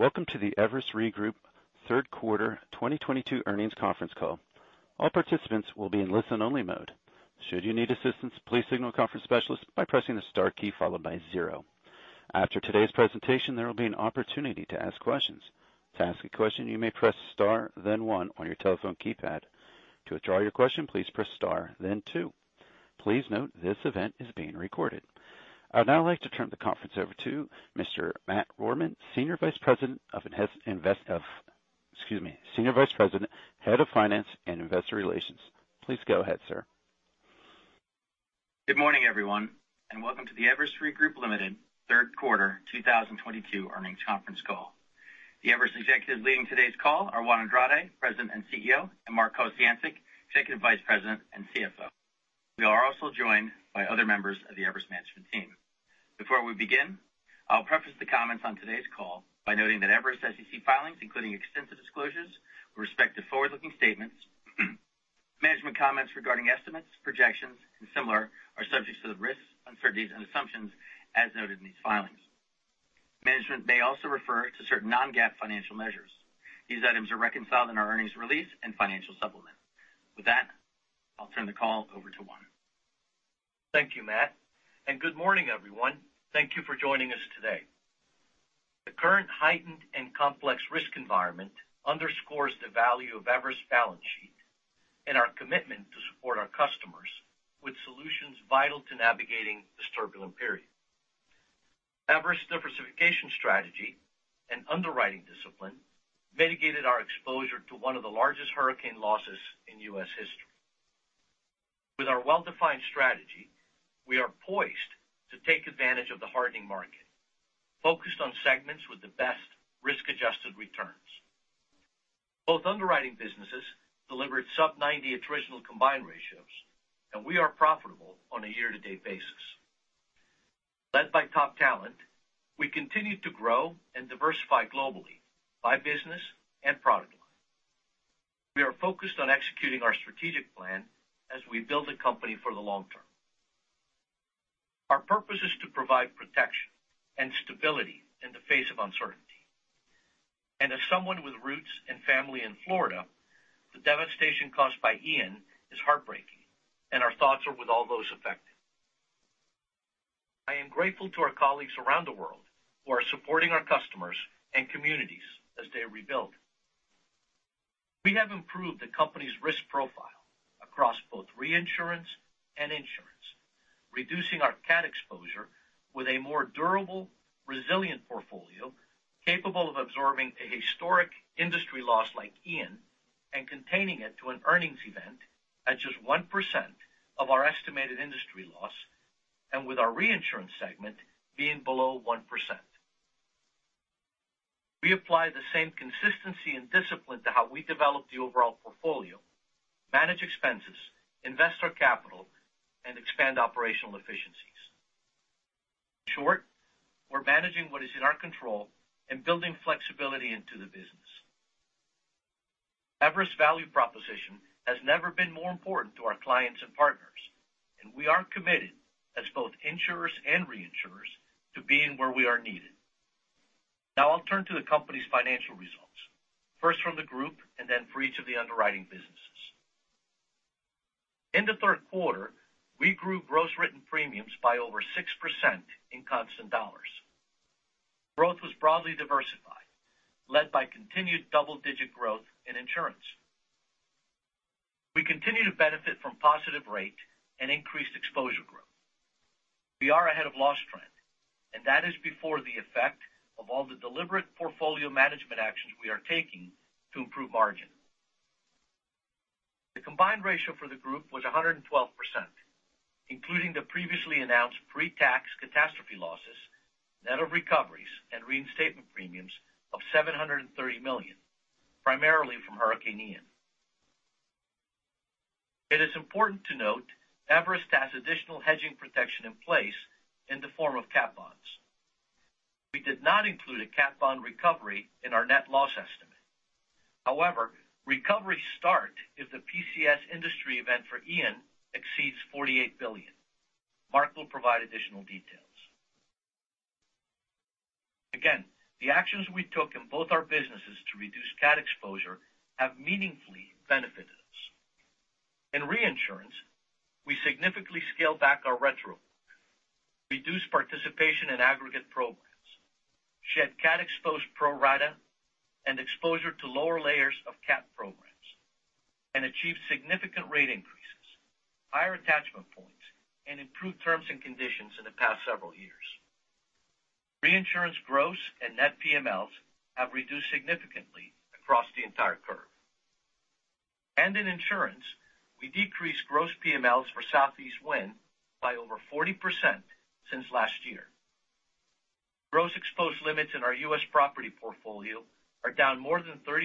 Welcome to the Everest Re Group third quarter 2022 earnings conference call. All participants will be in listen-only mode. Should you need assistance, please signal a conference specialist by pressing the star key followed by zero. After today's presentation, there will be an opportunity to ask questions. To ask a question, you may press star, then one on your telephone keypad. To withdraw your question, please press star, then two. Please note this event is being recorded. I would now like to turn the conference over to Mr. Matthew Rohrmann, Senior Vice President, Head of Finance and Investor Relations. Please go ahead, sir. Good morning, everyone, and welcome to the Everest Re Group, Ltd. third quarter 2022 earnings conference call. The Everest executives leading today's call are Juan Andrade, President and CEO, and Mark Kociancic, Executive Vice President and CFO. We are also joined by other members of the Everest management team. Before we begin, I'll preface the comments on today's call by noting that Everest SEC filings, including extensive disclosures with respect to forward-looking statements, management comments regarding estimates, projections, and similar, are subject to the risks, uncertainties, and assumptions as noted in these filings. Management may also refer to certain non-GAAP financial measures. These items are reconciled in our earnings release and financial supplement. With that, I'll turn the call over to Juan. Thank you, Matt, and good morning, everyone. Thank you for joining us today. The current heightened and complex risk environment underscores the value of Everest's balance sheet and our commitment to support our customers with solutions vital to navigating this turbulent period. Everest's diversification strategy and underwriting discipline mitigated our exposure to one of the largest hurricane losses in U.S. history. With our well-defined strategy, we are poised to take advantage of the hardening market, focused on segments with the best risk-adjusted returns. Both underwriting businesses delivered sub ninety attritional combined ratios, and we are profitable on a year-to-date basis. Led by top talent, we continue to grow and diversify globally by business and product line. We are focused on executing our strategic plan as we build a company for the long term. Our purpose is to provide protection and stability in the face of uncertainty. As someone with roots and family in Florida, the devastation caused by Ian is heartbreaking, and our thoughts are with all those affected. I am grateful to our colleagues around the world who are supporting our customers and communities as they rebuild. We have improved the company's risk profile across both reinsurance and insurance, reducing our cat exposure with a more durable, resilient portfolio capable of absorbing a historic industry loss like Ian and containing it to an earnings event at just 1% of our estimated industry loss, and with our reinsurance segment being below 1%. We apply the same consistency and discipline to how we develop the overall portfolio, manage expenses, invest our capital, and expand operational efficiencies. In short, we're managing what is in our control and building flexibility into the business. Everest value proposition has never been more important to our clients and partners, and we are committed as both insurers and reinsurers to being where we are needed. Now I'll turn to the company's financial results, first from the group and then for each of the underwriting businesses. In the third quarter, we grew gross written premiums by over 6% in constant dollars. Growth was broadly diversified, led by continued double-digit growth in insurance. We continue to benefit from positive rate and increased exposure growth. We are ahead of loss trend, and that is before the effect of all the deliberate portfolio management actions we are taking to improve margin. The combined ratio for the group was 112%, including the previously announced pre-tax catastrophe losses, net of recoveries and reinstatement premiums of $730 million, primarily from Hurricane Ian. It is important to note Everest has additional hedging protection in place in the form of cat bonds. We did not include a cat bond recovery in our net loss estimate. However, recoveries start if the PCS industry event for Ian exceeds $48 billion. Mark will provide additional details. Again, the actions we took in both our businesses to reduce cat exposure have meaningfully benefited us. In reinsurance, we significantly scaled back our retro book, reduced participation in aggregate programs, shed cat exposed pro rata and exposure to lower layers of cat programs, and achieved significant rate increases, higher attachment points, and improved terms and conditions in the past several years. Reinsurance gross and net PMLs have reduced significantly across the entire curve. In insurance, we decreased gross PMLs for Southeast wind by over 40% since last year. Gross exposed limits in our U.S. property portfolio are down more than 35%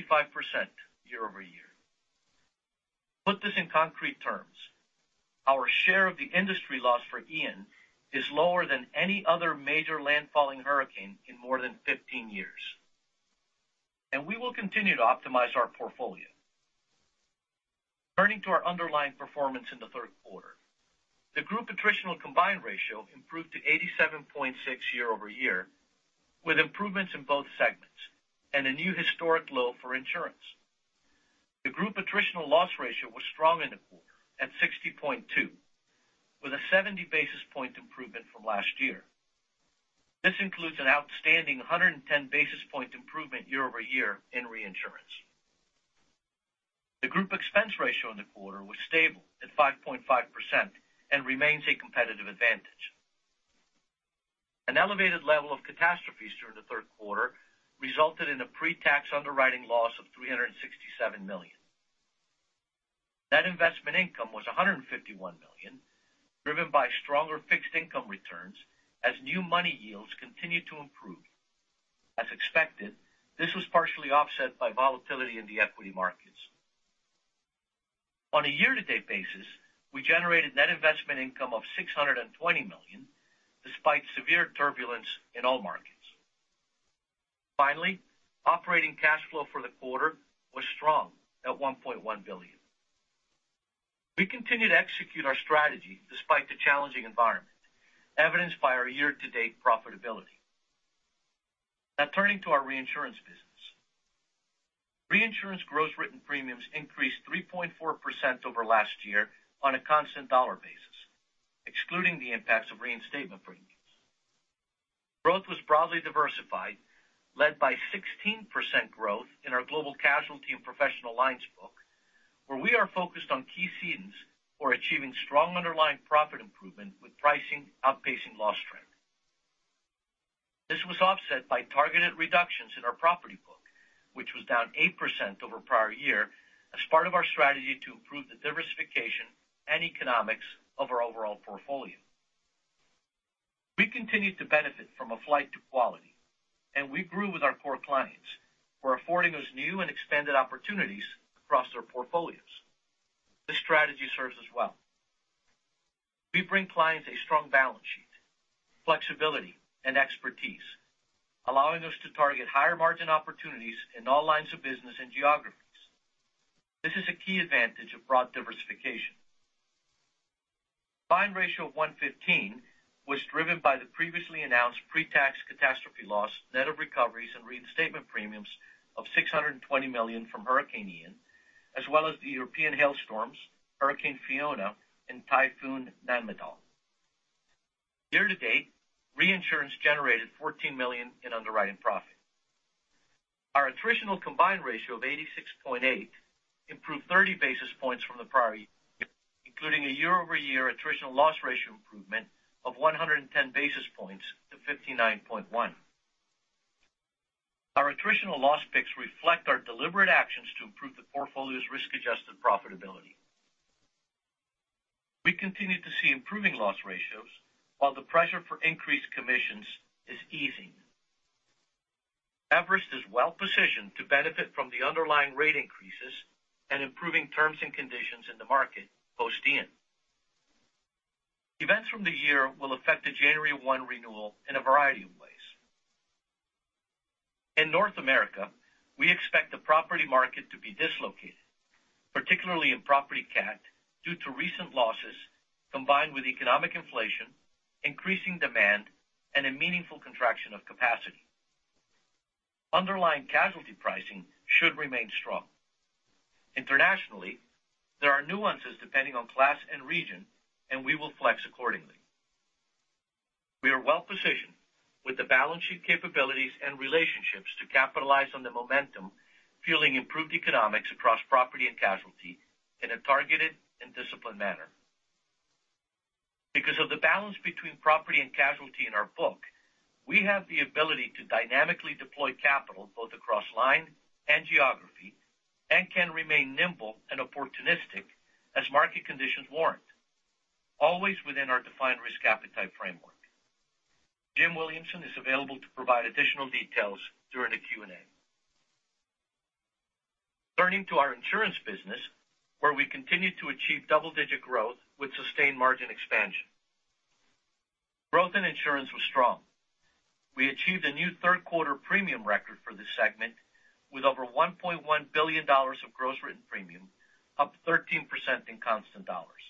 year-over-year. Put this in concrete terms. Our share of the industry loss for Ian is lower than any other major landfalling hurricane in more than 15 years. We will continue to optimize our portfolio. Turning to our underlying performance in the third quarter. The group attritional combined ratio improved to 87.6 year-over-year, with improvements in both segments and a new historic low for insurance. The group attritional loss ratio was strong in the quarter at 60.2, with a 70 basis point improvement from last year. This includes an outstanding 110 basis point improvement year-over-year in reinsurance. The group expense ratio in the quarter was stable at 5.5% and remains a competitive advantage. An elevated level of catastrophes during the third quarter resulted in a pre-tax underwriting loss of $367 million. Net investment income was $151 million, driven by stronger fixed income returns as new money yields continued to improve. As expected, this was partially offset by volatility in the equity markets. On a year-to-date basis, we generated net investment income of $620 million, despite severe turbulence in all markets. Finally, operating cash flow for the quarter was strong at $1.1 billion. We continue to execute our strategy despite the challenging environment, evidenced by our year-to-date profitability. Now turning to our reinsurance business. Reinsurance gross written premiums increased 3.4% over last year on a constant dollar basis, excluding the impacts of reinstatement premiums. Growth was broadly diversified, led by 16% growth in our global casualty and professional lines book, where we are focused on key cedents for achieving strong underlying profit improvement with pricing outpacing loss trend. This was offset by targeted reductions in our property book, which was down 8% over prior year as part of our strategy to improve the diversification and economics of our overall portfolio. We continued to benefit from a flight to quality, and we grew with our core clients. We're affording those new and expanded opportunities across their portfolios. This strategy serves us well. We bring clients a strong balance sheet, flexibility and expertise, allowing us to target higher-margin opportunities in all lines of business and geographies. This is a key advantage of broad diversification. Combined ratio of 115 was driven by the previously announced pre-tax catastrophe loss, net of recoveries and reinstatement premiums of $620 million from Hurricane Ian, as well as the European hailstorms, Hurricane Fiona and Typhoon Nanmadol. Year to date, reinsurance generated $14 million in underwriting profit. Our attritional combined ratio of 86.8 improved 30 basis points from the prior year, including a year-over-year attritional loss ratio improvement of 110 basis points to 59.1. Our attritional loss picks reflect our deliberate actions to improve the portfolio's risk-adjusted profitability. We continue to see improving loss ratios while the pressure for increased commissions is easing. Everest is well-positioned to benefit from the underlying rate increases and improving terms and conditions in the market post-Ian. Events from the year will affect the January 1 renewal in a variety of ways. In North America, we expect the property market to be dislocated, particularly in property cat, due to recent losses combined with economic inflation, increasing demand, and a meaningful contraction of capacity. Underlying casualty pricing should remain strong. Internationally, there are nuances depending on class and region, and we will flex accordingly. We are well-positioned with the balance sheet capabilities and relationships to capitalize on the momentum, fueling improved economics across property and casualty in a targeted and disciplined manner. Because of the balance between property and casualty in our book, we have the ability to dynamically deploy capital both across line and geography, and can remain nimble and opportunistic as market conditions warrant, always within our defined risk appetite framework. Jim Williamson is available to provide additional details during the Q&A. Turning to our insurance business, where we continue to achieve double-digit growth with sustained margin expansion. Growth in insurance was strong. We achieved a new third quarter premium record for this segment with over $1.1 billion of gross written premium, up 13% in constant dollars.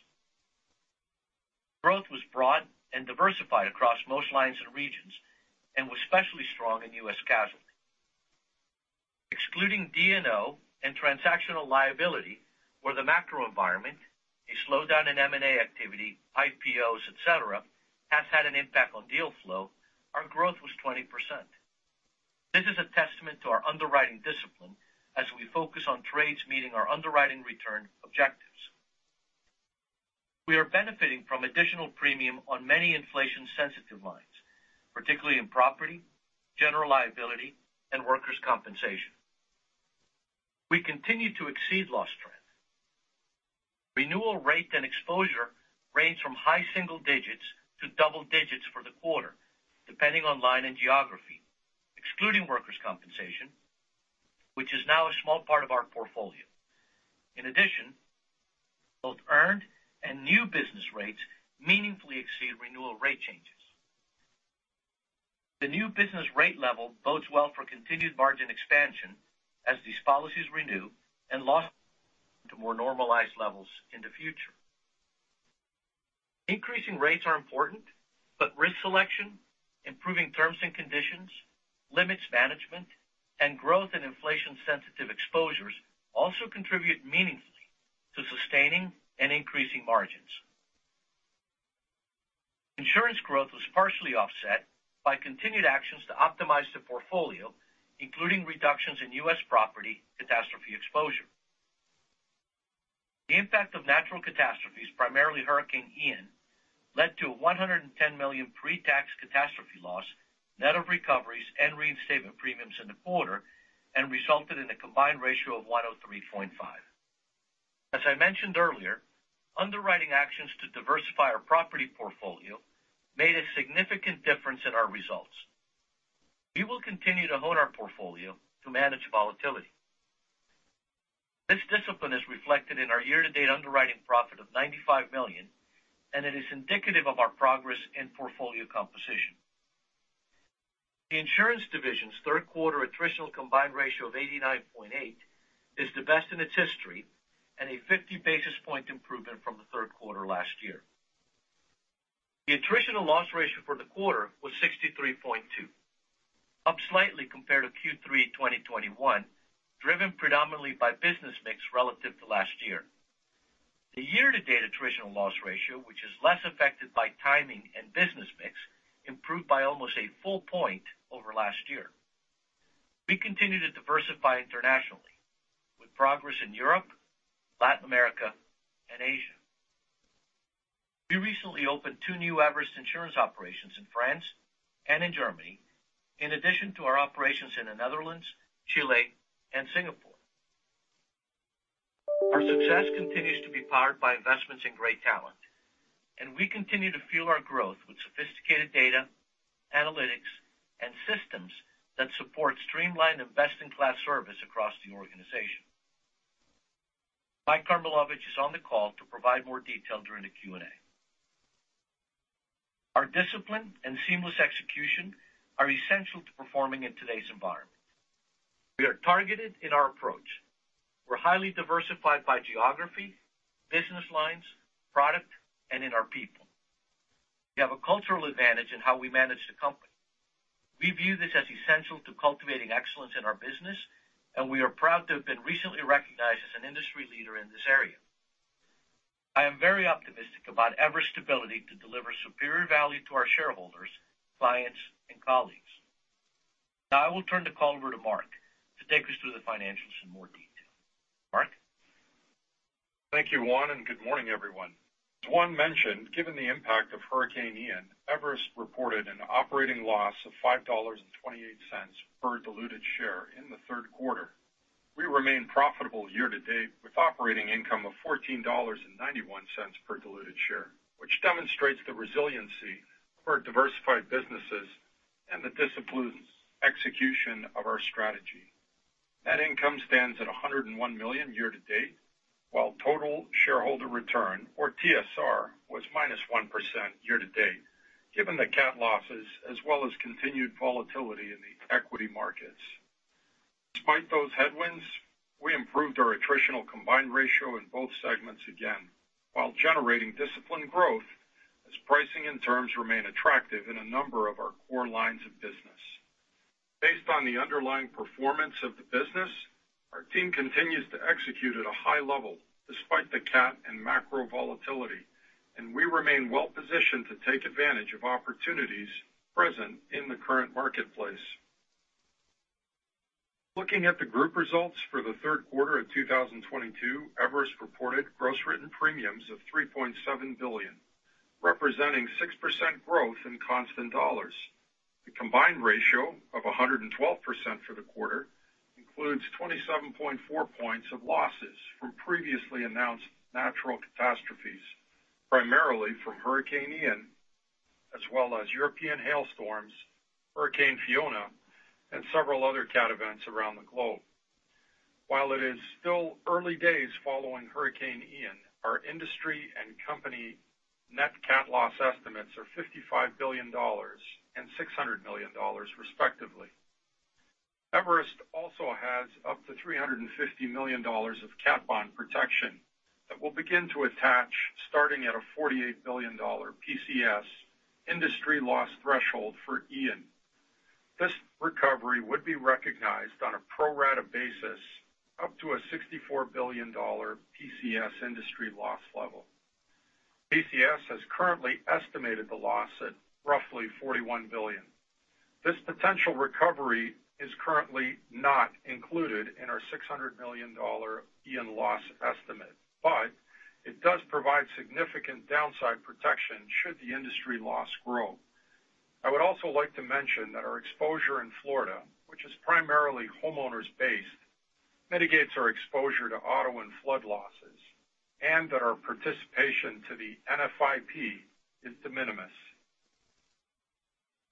Growth was broad and diversified across most lines and regions and was especially strong in U.S. casualty. Excluding D&O and transactional liability, where the macro environment, a slowdown in M&A activity, IPOs, et cetera, has had an impact on deal flow, our growth was 20%. This is a testament to our underwriting discipline as we focus on trades meeting our underwriting return objectives. We are benefiting from additional premium on many inflation-sensitive lines, particularly in property, general liability and workers' compensation. We continue to exceed loss trend. Renewal rate and exposure ranged from high single digits to double digits for the quarter, depending on line and geography, excluding workers' compensation, which is now a small part of our portfolio. In addition, both earned and new business rates meaningfully exceed renewal rate changes. The new business rate level bodes well for continued margin expansion as these policies renew and losses to more normalized levels in the future. Increasing rates are important, but risk selection, improving terms and conditions, limits management, and growth in inflation-sensitive exposures also contribute meaningfully to sustaining and increasing margins. Insurance growth was partially offset by continued actions to optimize the portfolio, including reductions in U.S. property catastrophe exposure. The impact of natural catastrophes, primarily Hurricane Ian, led to a $110 million pre-tax catastrophe loss, net of recoveries and reinstatement premiums in the quarter, and resulted in a combined ratio of 103.5%. As I mentioned earlier, underwriting actions to diversify our property portfolio made a significant difference in our results. We will continue to hone our portfolio to manage volatility. This discipline is reflected in our year-to-date underwriting profit of $95 million, and it is indicative of our progress in portfolio composition. The insurance division's third quarter attritional combined ratio of 89.8% is the best in its history and a 50 basis point improvement from the third quarter last year. The attritional loss ratio for the quarter was 63.2%, up slightly compared to Q3 2021, driven predominantly by business mix relative to last year. The year-to-date attritional loss ratio, which is less affected by timing and business mix, improved by almost a full point over last year. We continue to diversify internationally, with progress in Europe, Latin America, and Asia. We recently opened two new Everest Insurance operations in France and in Germany, in addition to our operations in the Netherlands, Chile, and Singapore. Our success continues to be powered by investments in great talent, and we continue to fuel our growth with sophisticated data, analytics, and systems that support streamlined and best-in-class service across the organization. Mike Karmilowicz is on the call to provide more detail during the Q&A. Our discipline and seamless execution are essential to performing in today's environment. We are targeted in our approach. We're highly diversified by geography, business lines, product, and in our people. We have a cultural advantage in how we manage the company. We view this as essential to cultivating excellence in our business, and we are proud to have been recently recognized as an industry leader in this area. I am very optimistic about Everest's ability to deliver superior value to our shareholders, clients, and colleagues. Now, I will turn the call over to Mark to take us through the financials in more detail. Mark? Thank you, Juan, and good morning, everyone. As Juan mentioned, given the impact of Hurricane Ian, Everest reported an operating loss of $5.28 per diluted share in the third quarter. We remain profitable year-to-date with operating income of $14.91 per diluted share, which demonstrates the resiliency of our diversified businesses and the disciplined execution of our strategy. Net income stands at $101 million year-to-date, while total shareholder return, or TSR, was -1% year-to-date, given the cat losses as well as continued volatility in the equity markets. Despite those headwinds, we improved our attritional combined ratio in both segments again while generating disciplined growth as pricing and terms remain attractive in a number of our core lines of business. Based on the underlying performance of the business, our team continues to execute at a high level despite the cat and macro volatility, and we remain well positioned to take advantage of opportunities present in the current marketplace. Looking at the group results for the third quarter of 2022, Everest reported gross written premiums of $3.7 billion, representing 6% growth in constant dollars. The combined ratio of 112% for the quarter includes 27.4 points of losses from previously announced natural catastrophes, primarily from Hurricane Ian, as well as European hailstorms, Hurricane Fiona, and several other cat events around the globe. While it is still early days following Hurricane Ian, our industry and company net cat loss estimates are $55 billion and $600 million, respectively. Everest also has up to $350 million of cat bond protection that will begin to attach starting at a $48 billion PCS industry loss threshold for Ian. This recovery would be recognized on a pro-rata basis up to a $64 billion PCS industry loss level. PCS has currently estimated the loss at roughly $41 billion. This potential recovery is currently not included in our $600 million Ian loss estimate, but it does provide significant downside protection should the industry loss grow. I would also like to mention that our exposure in Florida, which is primarily homeowners-based, mitigates our exposure to auto and flood losses, and that our participation to the NFIP is de minimis.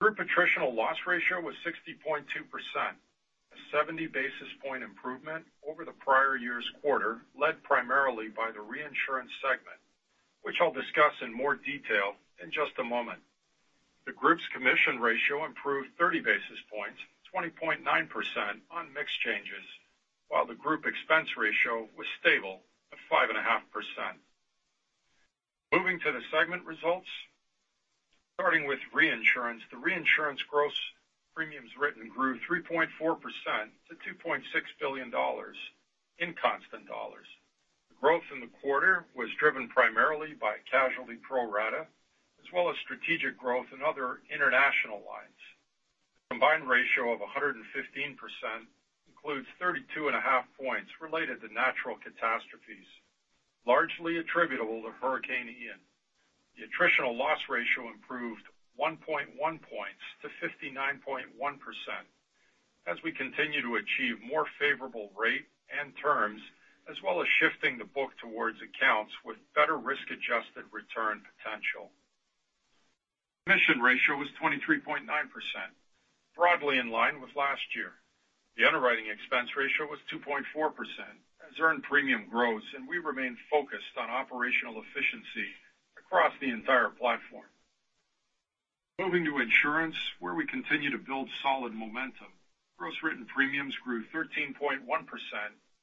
Group attritional loss ratio was 60.2%, a 70 basis point improvement over the prior year's quarter, led primarily by the reinsurance segment, which I'll discuss in more detail in just a moment. The group's commission ratio improved 30 basis points, 20.9% on mix changes, while the group expense ratio was stable at 5.5%. Moving to the segment results, starting with reinsurance. The reinsurance gross premiums written grew 3.4% to $2.6 billion in constant dollars. The growth in the quarter was driven primarily by casualty pro rata, as well as strategic growth in other international lines. The combined ratio of 115% includes 32.5 points related to natural catastrophes, largely attributable to Hurricane Ian. The attritional loss ratio improved 1.1 points to 59.1% as we continue to achieve more favorable rate and terms, as well as shifting the book towards accounts with better risk-adjusted return potential. Commission ratio was 23.9%, broadly in line with last year. The underwriting expense ratio was 2.4% as earned premium grows, and we remain focused on operational efficiency across the entire platform. Moving to insurance, where we continue to build solid momentum. Gross written premiums grew 13.1%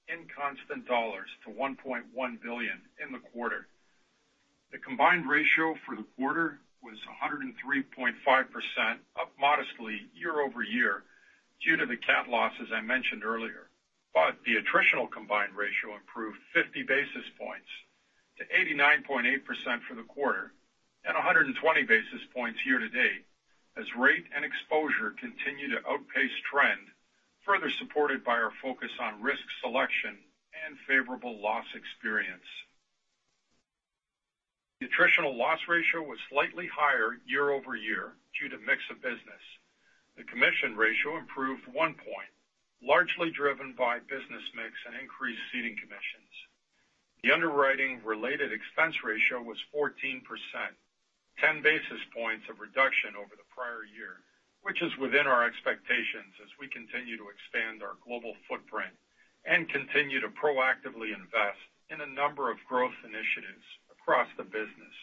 in constant dollars to $1.1 billion in the quarter. The combined ratio for the quarter was 103.5%, up modestly year-over-year due to the cat losses I mentioned earlier. The attritional combined ratio improved 50 basis points to 89.8% for the quarter and 120 basis points year to date, as rate and exposure continue to outpace trend, further supported by our focus on risk selection and favorable loss experience. The attritional loss ratio was slightly higher year-over-year due to mix of business. The commission ratio improved 1 point, largely driven by business mix and increased ceding commissions. The underwriting-related expense ratio was 14%, 10 basis points of reduction over the prior year, which is within our expectations as we continue to expand our global footprint and continue to proactively invest in a number of growth initiatives across the business.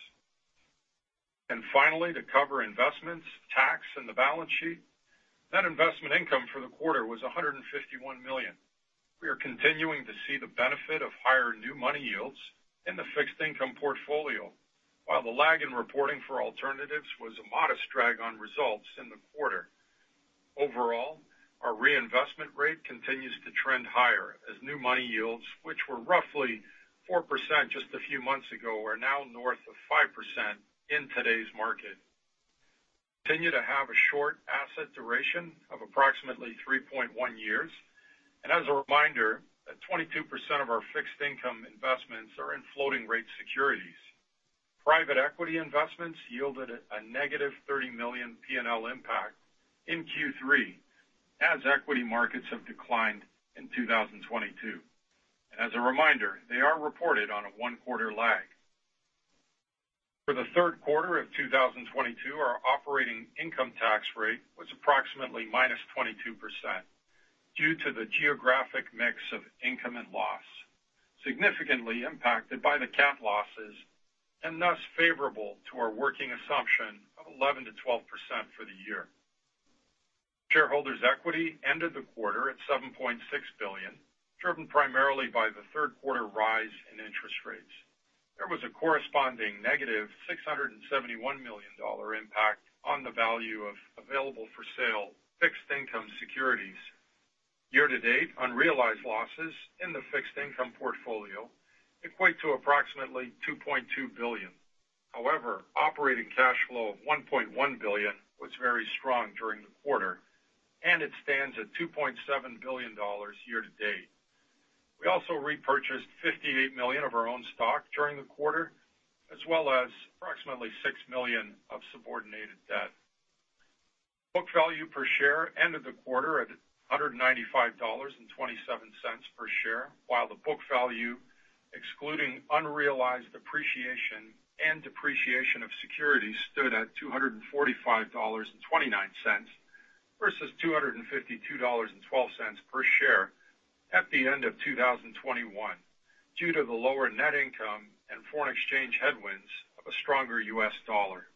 Finally, to cover investments, tax, and the balance sheet. Net investment income for the quarter was $151 million. We are continuing to see the benefit of higher new money yields in the fixed income portfolio, while the lag in reporting for alternatives was a modest drag on results in the quarter. Overall, our reinvestment rate continues to trend higher as new money yields, which were roughly 4% just a few months ago, are now north of 5% in today's market. We continue to have a short asset duration of approximately 3.1 years. As a reminder that 22% of our fixed income investments are in floating rate securities. Private equity investments yielded a negative $30 million P&L impact in Q3 as equity markets have declined in 2022. As a reminder, they are reported on a one-quarter lag. For the third quarter of 2022, our operating income tax rate was approximately -22% due to the geographic mix of income and loss, significantly impacted by the cat losses and thus favorable to our working assumption of 11%-12% for the year. Shareholders' equity ended the quarter at $7.6 billion, driven primarily by the third quarter rise in interest rates. There was a corresponding negative $671 million impact on the value of available-for-sale fixed income securities. Year to date, unrealized losses in the fixed income portfolio equate to approximately $2.2 billion. However, operating cash flow of $1.1 billion was very strong during the quarter, and it stands at $2.7 billion year to date. We also repurchased $58 million of our own stock during the quarter, as well as approximately $6 million of subordinated debt. Book value per share ended the quarter at $195.27 per share, while the book value, excluding unrealized appreciation and depreciation of securities, stood at $245.29, versus $252.12 per share at the end of 2021 due to the lower net income and foreign exchange headwinds of a stronger U.S. dollar.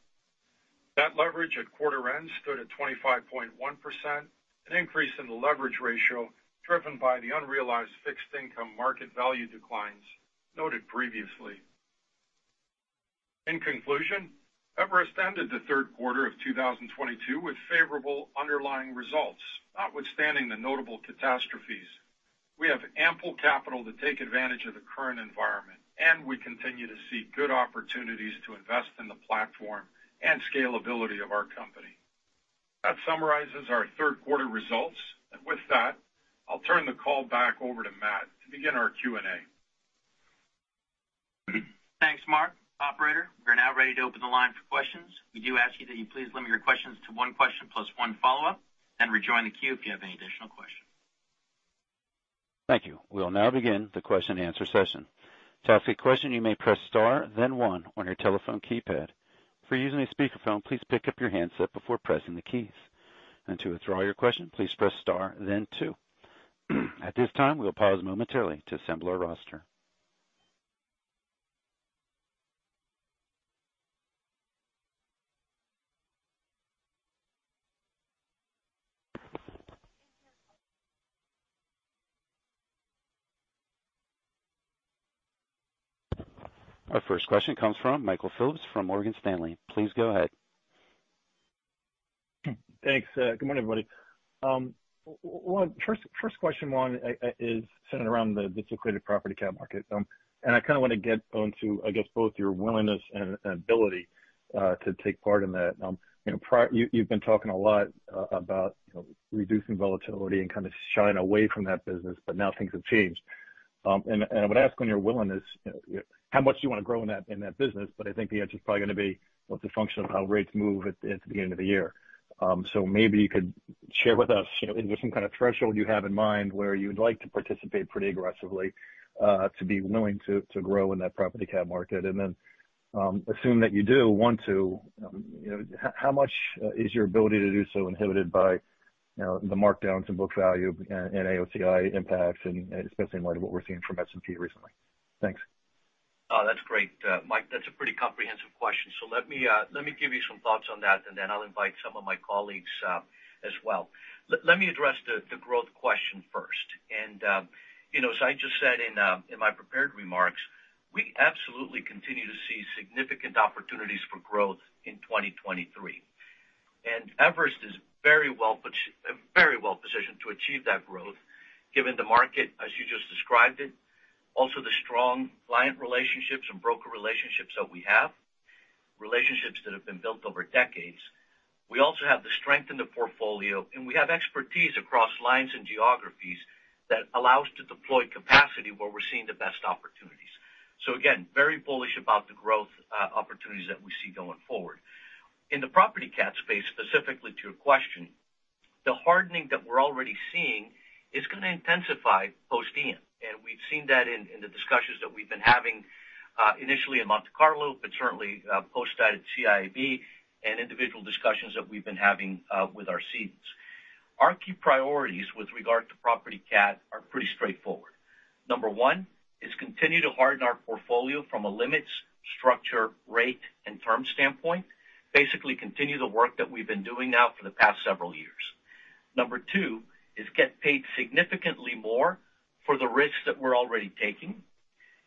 Debt leverage at quarter end stood at 25.1%, an increase in the leverage ratio driven by the unrealized fixed income market value declines noted previously. In conclusion, Everest ended the third quarter of 2022 with favorable underlying results, notwithstanding the notable catastrophes. We have ample capital to take advantage of the current environment, and we continue to seek good opportunities to invest in the platform and scalability of our company. That summarizes our third quarter results. With that, I'll turn the call back over to Matt to begin our Q&A. Thanks, Mark. Operator, we're now ready to open the line for questions. We do ask you that you please limit your questions to one question plus one follow-up, and rejoin the queue if you have any additional questions. Thank you. We'll now begin the question and answer session. To ask a question, you may press star then one on your telephone keypad. If you're using a speakerphone, please pick up your handset before pressing the keys. To withdraw your question, please press star then two. Our first question comes from Michael Phillips from Morgan Stanley. Please go ahead. Thanks. Good morning, everybody. First question, Juan, is centered around the dislocated property cat market. I kind of want to get onto, I guess, both your willingness and ability to take part in that. You know, you've been talking a lot about, you know, reducing volatility and kind of shying away from that business, but now things have changed. I would ask on your willingness, you know, how much do you want to grow in that business? I think the answer is probably going to be, what's the function of how rates move at the end of the year? Maybe you could share with us, you know, is there some kind of threshold you have in mind where you'd like to participate pretty aggressively, to be willing to grow in that property cat market? Assume that you do want to, you know, how much is your ability to do so inhibited by, you know, the markdowns and book value and AOCI impacts, and especially in light of what we're seeing from S&P recently? Thanks. Oh, that's great, Mike. That's a pretty comprehensive question. Let me give you some thoughts on that, and then I'll invite some of my colleagues as well. Let me address the growth question first. You know, as I just said in my prepared remarks, we absolutely continue to see significant opportunities for growth in 2023. Everest is very well-positioned to achieve that growth given the market as you just described it, also the strong client relationships and broker relationships that we have, relationships that have been built over decades. We also have the strength in the portfolio, and we have expertise across lines and geographies that allow us to deploy capacity where we're seeing the best opportunities. Again, very bullish about the growth opportunities that we see going forward. In the property cat space, specifically to your question, the hardening that we're already seeing is gonna intensify post-Ian. We've seen that in the discussions that we've been having initially in Monte Carlo, but certainly post that at CIAB and individual discussions that we've been having with our cedents. Our key priorities with regard to property cat are pretty straightforward. Number one is continue to harden our portfolio from a limits, structure, rate, and term standpoint. Basically continue the work that we've been doing now for the past several years. Number two is get paid significantly more for the risks that we're already taking.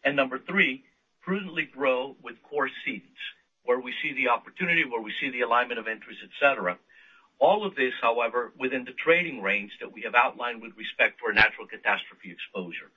Number three, prudently grow with core cedents, where we see the opportunity, where we see the alignment of interests, et cetera. All of this, however, within the trading range that we have outlined with respect for natural catastrophe exposure.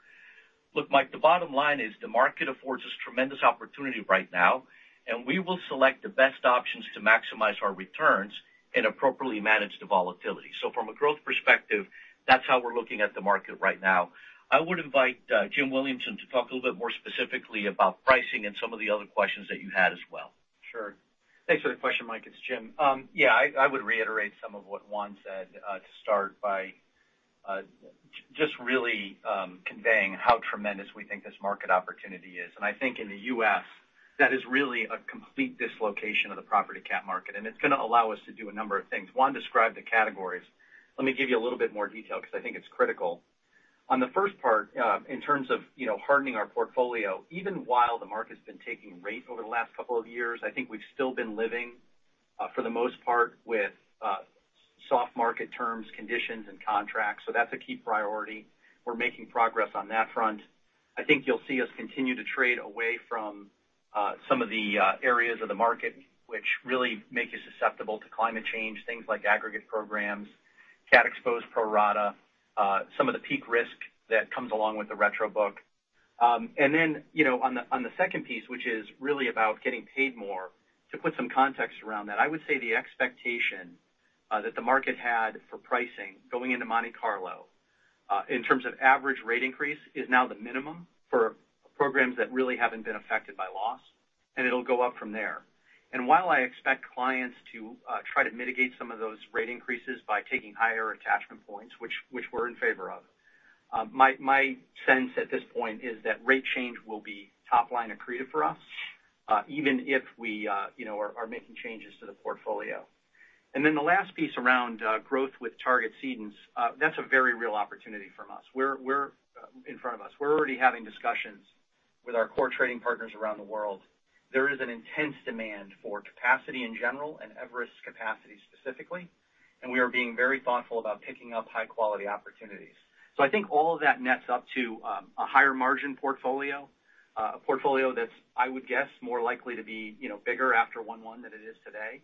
Look, Mike, the bottom line is the market affords us tremendous opportunity right now, and we will select the best options to maximize our returns and appropriately manage the volatility. From a growth perspective, that's how we're looking at the market right now. I would invite, Jim Williamson to talk a little bit more specifically about pricing and some of the other questions that you had as well. Sure. Thanks for the question, Mike. It's Jim. I would reiterate some of what Juan said to start by just really conveying how tremendous we think this market opportunity is. I think in the U.S., that is really a complete dislocation of the property cat market, and it's gonna allow us to do a number of things. Juan described the categories. Let me give you a little bit more detail because I think it's critical. On the first part, in terms of, you know, hardening our portfolio, even while the market's been taking rate over the last couple of years, I think we've still been living for the most part with soft market terms, conditions and contracts. That's a key priority. We're making progress on that front. I think you'll see us continue to trade away from some of the areas of the market which really make you susceptible to climate change, things like aggregate programs, cat-exposed pro rata, some of the peak risk that comes along with the retro book. You know, on the second piece, which is really about getting paid more, to put some context around that, I would say the expectation that the market had for pricing going into Monte Carlo, in terms of average rate increase, is now the minimum for programs that really haven't been affected by loss, and it'll go up from there. While I expect clients to try to mitigate some of those rate increases by taking higher attachment points, which we're in favor of, my sense at this point is that rate change will be top line accretive for us, even if we, you know, are making changes to the portfolio. The last piece around growth with target cedents, that's a very real opportunity for us in front of us. We're already having discussions with our core trading partners around the world. There is an intense demand for capacity in general and Everest capacity specifically, and we are being very thoughtful about picking up high-quality opportunities. I think all of that nets up to a higher margin portfolio, a portfolio that's, I would guess, more likely to be, you know, bigger after 1/1 than it is today.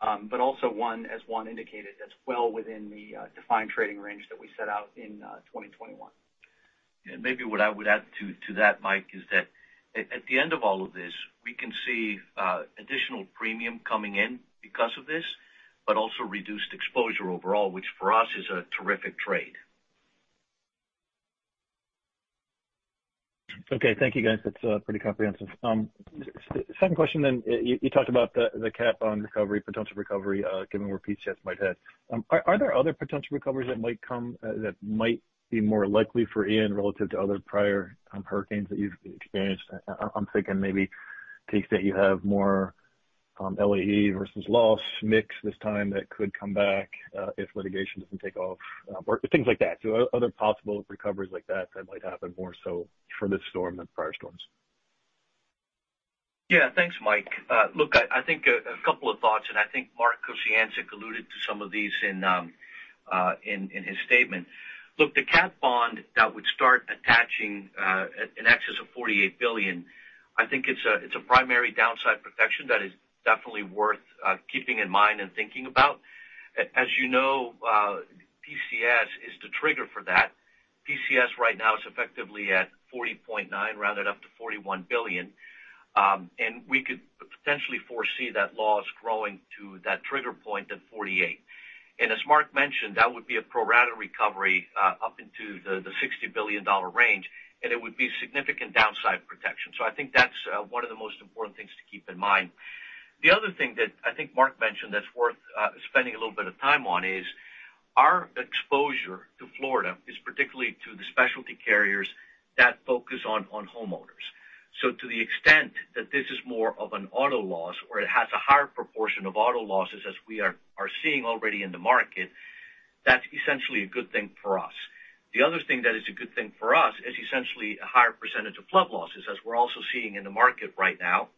Also one, as Juan indicated, that's well within the defined trading range that we set out in 2021. Yeah. Maybe what I would add to that, Mike, is that at the end of all of this, we can see additional premium coming in because of this, but also reduced exposure overall, which for us is a terrific trade. Okay. Thank you, guys. That's pretty comprehensive. Second question then. You talked about the cap on recovery, potential recovery, given where peak cats might head. Are there other potential recoveries that might come, that might be more likely for Ian relative to other prior hurricanes that you've experienced? I'm thinking maybe peaks that you have more LAE versus loss mix this time that could come back, if litigation doesn't take off, or things like that. Other possible recoveries like that might happen more so for this storm than prior storms. Yeah. Thanks, Mike. Look, I think a couple of thoughts, and I think Mark Kociancic alluded to some of these in his statement. Look, the cat bond that would start attaching at in excess of $48 billion, I think it's a primary downside protection that is definitely worth keeping in mind and thinking about. As you know, PCS is the trigger for that. PCS right now is effectively at $40.9 billion, rounded up to $41 billion. We could potentially foresee that loss growing to that trigger point at $48 billion. As Mark mentioned, that would be a pro-rata recovery up into the $60 billion range, and it would be significant downside protection. I think that's one of the most important things to keep in mind. The other thing that I think Mark mentioned that's worth spending a little bit of time on is our exposure to Florida is particularly to the specialty carriers that focus on homeowners. To the extent that this is more of an auto loss or it has a higher proportion of auto losses as we are seeing already in the market, that's essentially a good thing for us. The other thing that is a good thing for us is essentially a higher percentage of flood losses as we're also seeing in the market right now,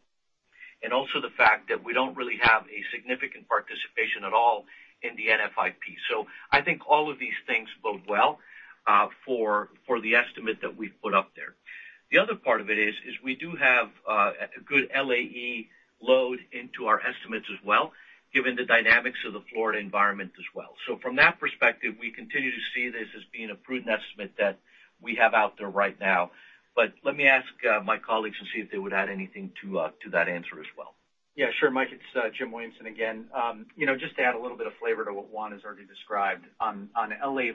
and also the fact that we don't really have a significant participation at all in the NFIP. I think all of these things bode well for the estimate that we've put up there. The other part of it is we do have a good LAE load into our estimates as well, given the dynamics of the Florida environment as well. So from that perspective, we continue to see this as being a prudent estimate that we have out there right now. But let me ask my colleagues and see if they would add anything to that answer as well. Yeah, sure, Mike, it's Jim Williamson again. You know, just to add a little bit of flavor to what Juan has already described on LAE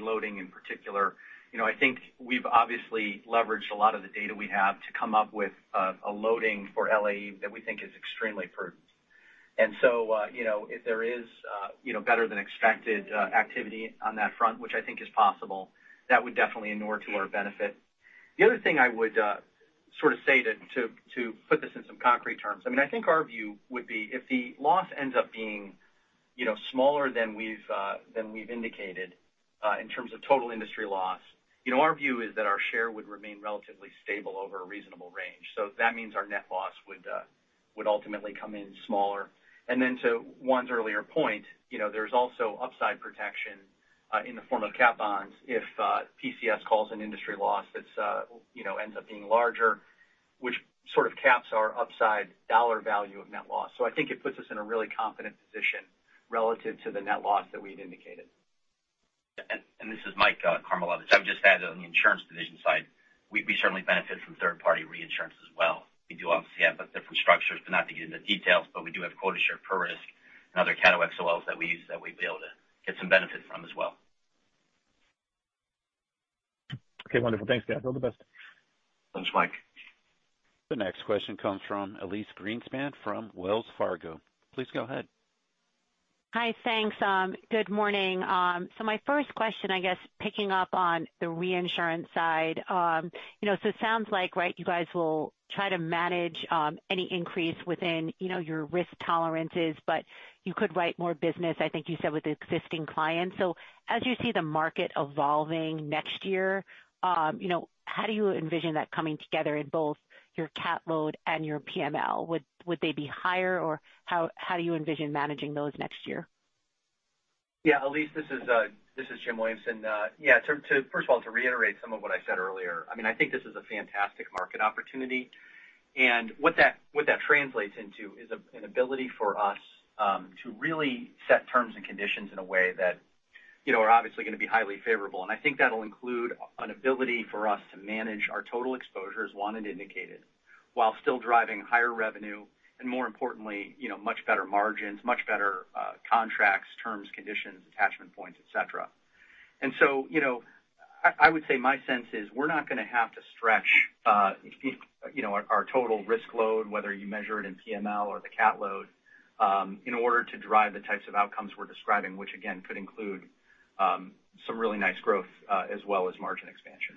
loading in particular. You know, I think we've obviously leveraged a lot of the data we have to come up with a loading for LAE that we think is extremely prudent. You know, if there is, you know, better than expected activity on that front, which I think is possible, that would definitely inure to our benefit. The other thing I would sort of say to put this in some concrete terms, I mean, I think our view would be if the loss ends up being, you know, smaller than we've indicated in terms of total industry loss, you know, our view is that our share would remain relatively stable over a reasonable range. That means our net loss would ultimately come in smaller. Then to Juan's earlier point, you know, there's also upside protection in the form of cat bonds if PCS calls an industry loss that's, you know, ends up being larger, which sort of caps our upside dollar value of net loss. I think it puts us in a really confident position relative to the net loss that we'd indicated. Yeah. This is Mike Karmilowicz. I would just add on the insurance division side, we certainly benefit from third-party reinsurance as well. We do obviously have a different structure, but not to get into details, but we do have quota share per risk and other cat XoL that we use that we'd be able to get some benefit from as well. Okay, wonderful. Thanks, guys. All the best. Thanks, Mike. The next question comes from Elyse Greenspan from Wells Fargo. Please go ahead. Hi. Thanks. Good morning. My first question, I guess, picking up on the reinsurance side, you know, so it sounds like, right, you guys will try to manage any increase within, you know, your risk tolerances, but you could write more business, I think you said, with existing clients. As you see the market evolving next year, you know, how do you envision that coming together in both your cat load and your PML? Would they be higher, or how do you envision managing those next year? Yeah. Elyse, this is Jim Williamson. Yeah. To first of all, to reiterate some of what I said earlier, I mean, I think this is a fantastic market opportunity. What that translates into is an ability for us to really set terms and conditions in a way that, you know, are obviously gonna be highly favorable. I think that'll include an ability for us to manage our total exposure, as Juan had indicated, while still driving higher revenue and more importantly, you know, much better margins, much better contracts, terms, conditions, attachment points, et cetera. You know, I would say my sense is we're not gonna have to stretch, you know, our total risk load, whether you measure it in PML or the cat load, in order to drive the types of outcomes we're describing, which again could include some really nice growth, as well as margin expansion.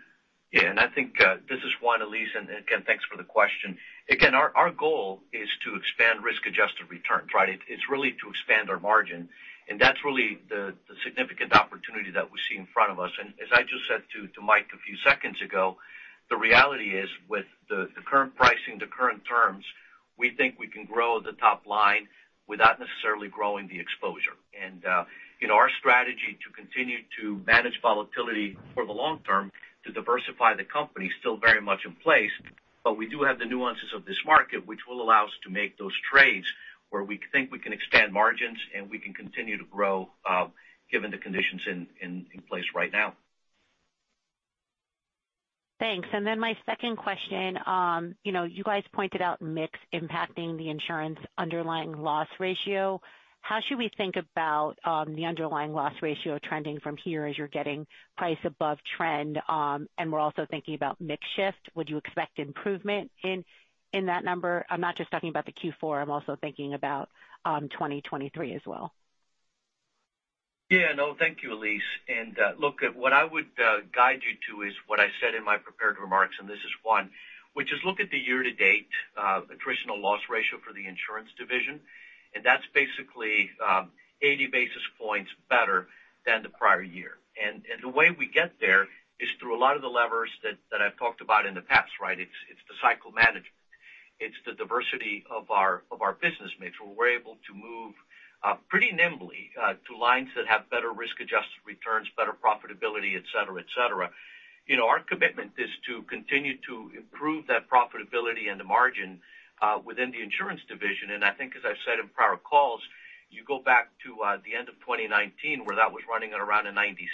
Yeah. I think this is Juan, Elyse, and again, thanks for the question. Again, our goal is to expand risk-adjusted returns, right? It's really to expand our margin, and that's really the significant opportunity that we see in front of us. As I just said to Mike a few seconds ago, the reality is with the current pricing, the current terms, we think we can grow the top line without necessarily growing the exposure. You know, our strategy to continue to manage volatility for the long term to diversify the company is still very much in place. We do have the nuances of this market, which will allow us to make those trades where we think we can expand margins and we can continue to grow, given the conditions in place right now. Thanks. My second question, you know, you guys pointed out mix impacting the insurance underlying loss ratio. How should we think about the underlying loss ratio trending from here as you're getting price above trend, and we're also thinking about mix shift? Would you expect improvement in that number? I'm not just talking about the Q4, I'm also thinking about 2023 as well. Yeah, no, thank you, Elyse. Look, what I would guide you to is what I said in my prepared remarks, and this is one, which is look at the year-to-date attritional loss ratio for the insurance division. That's basically 80 basis points better than the prior year. The way we get there is through a lot of the levers that I've talked about in the past, right? It's the cycle management. It's the diversity of our business mix, where we're able to move pretty nimbly to lines that have better risk-adjusted returns, better profitability, et cetera, et cetera. You know, our commitment is to continue to improve that profitability and the margin within the insurance division. I think as I've said in prior calls, you go back to the end of 2019 where that was running at around a 96.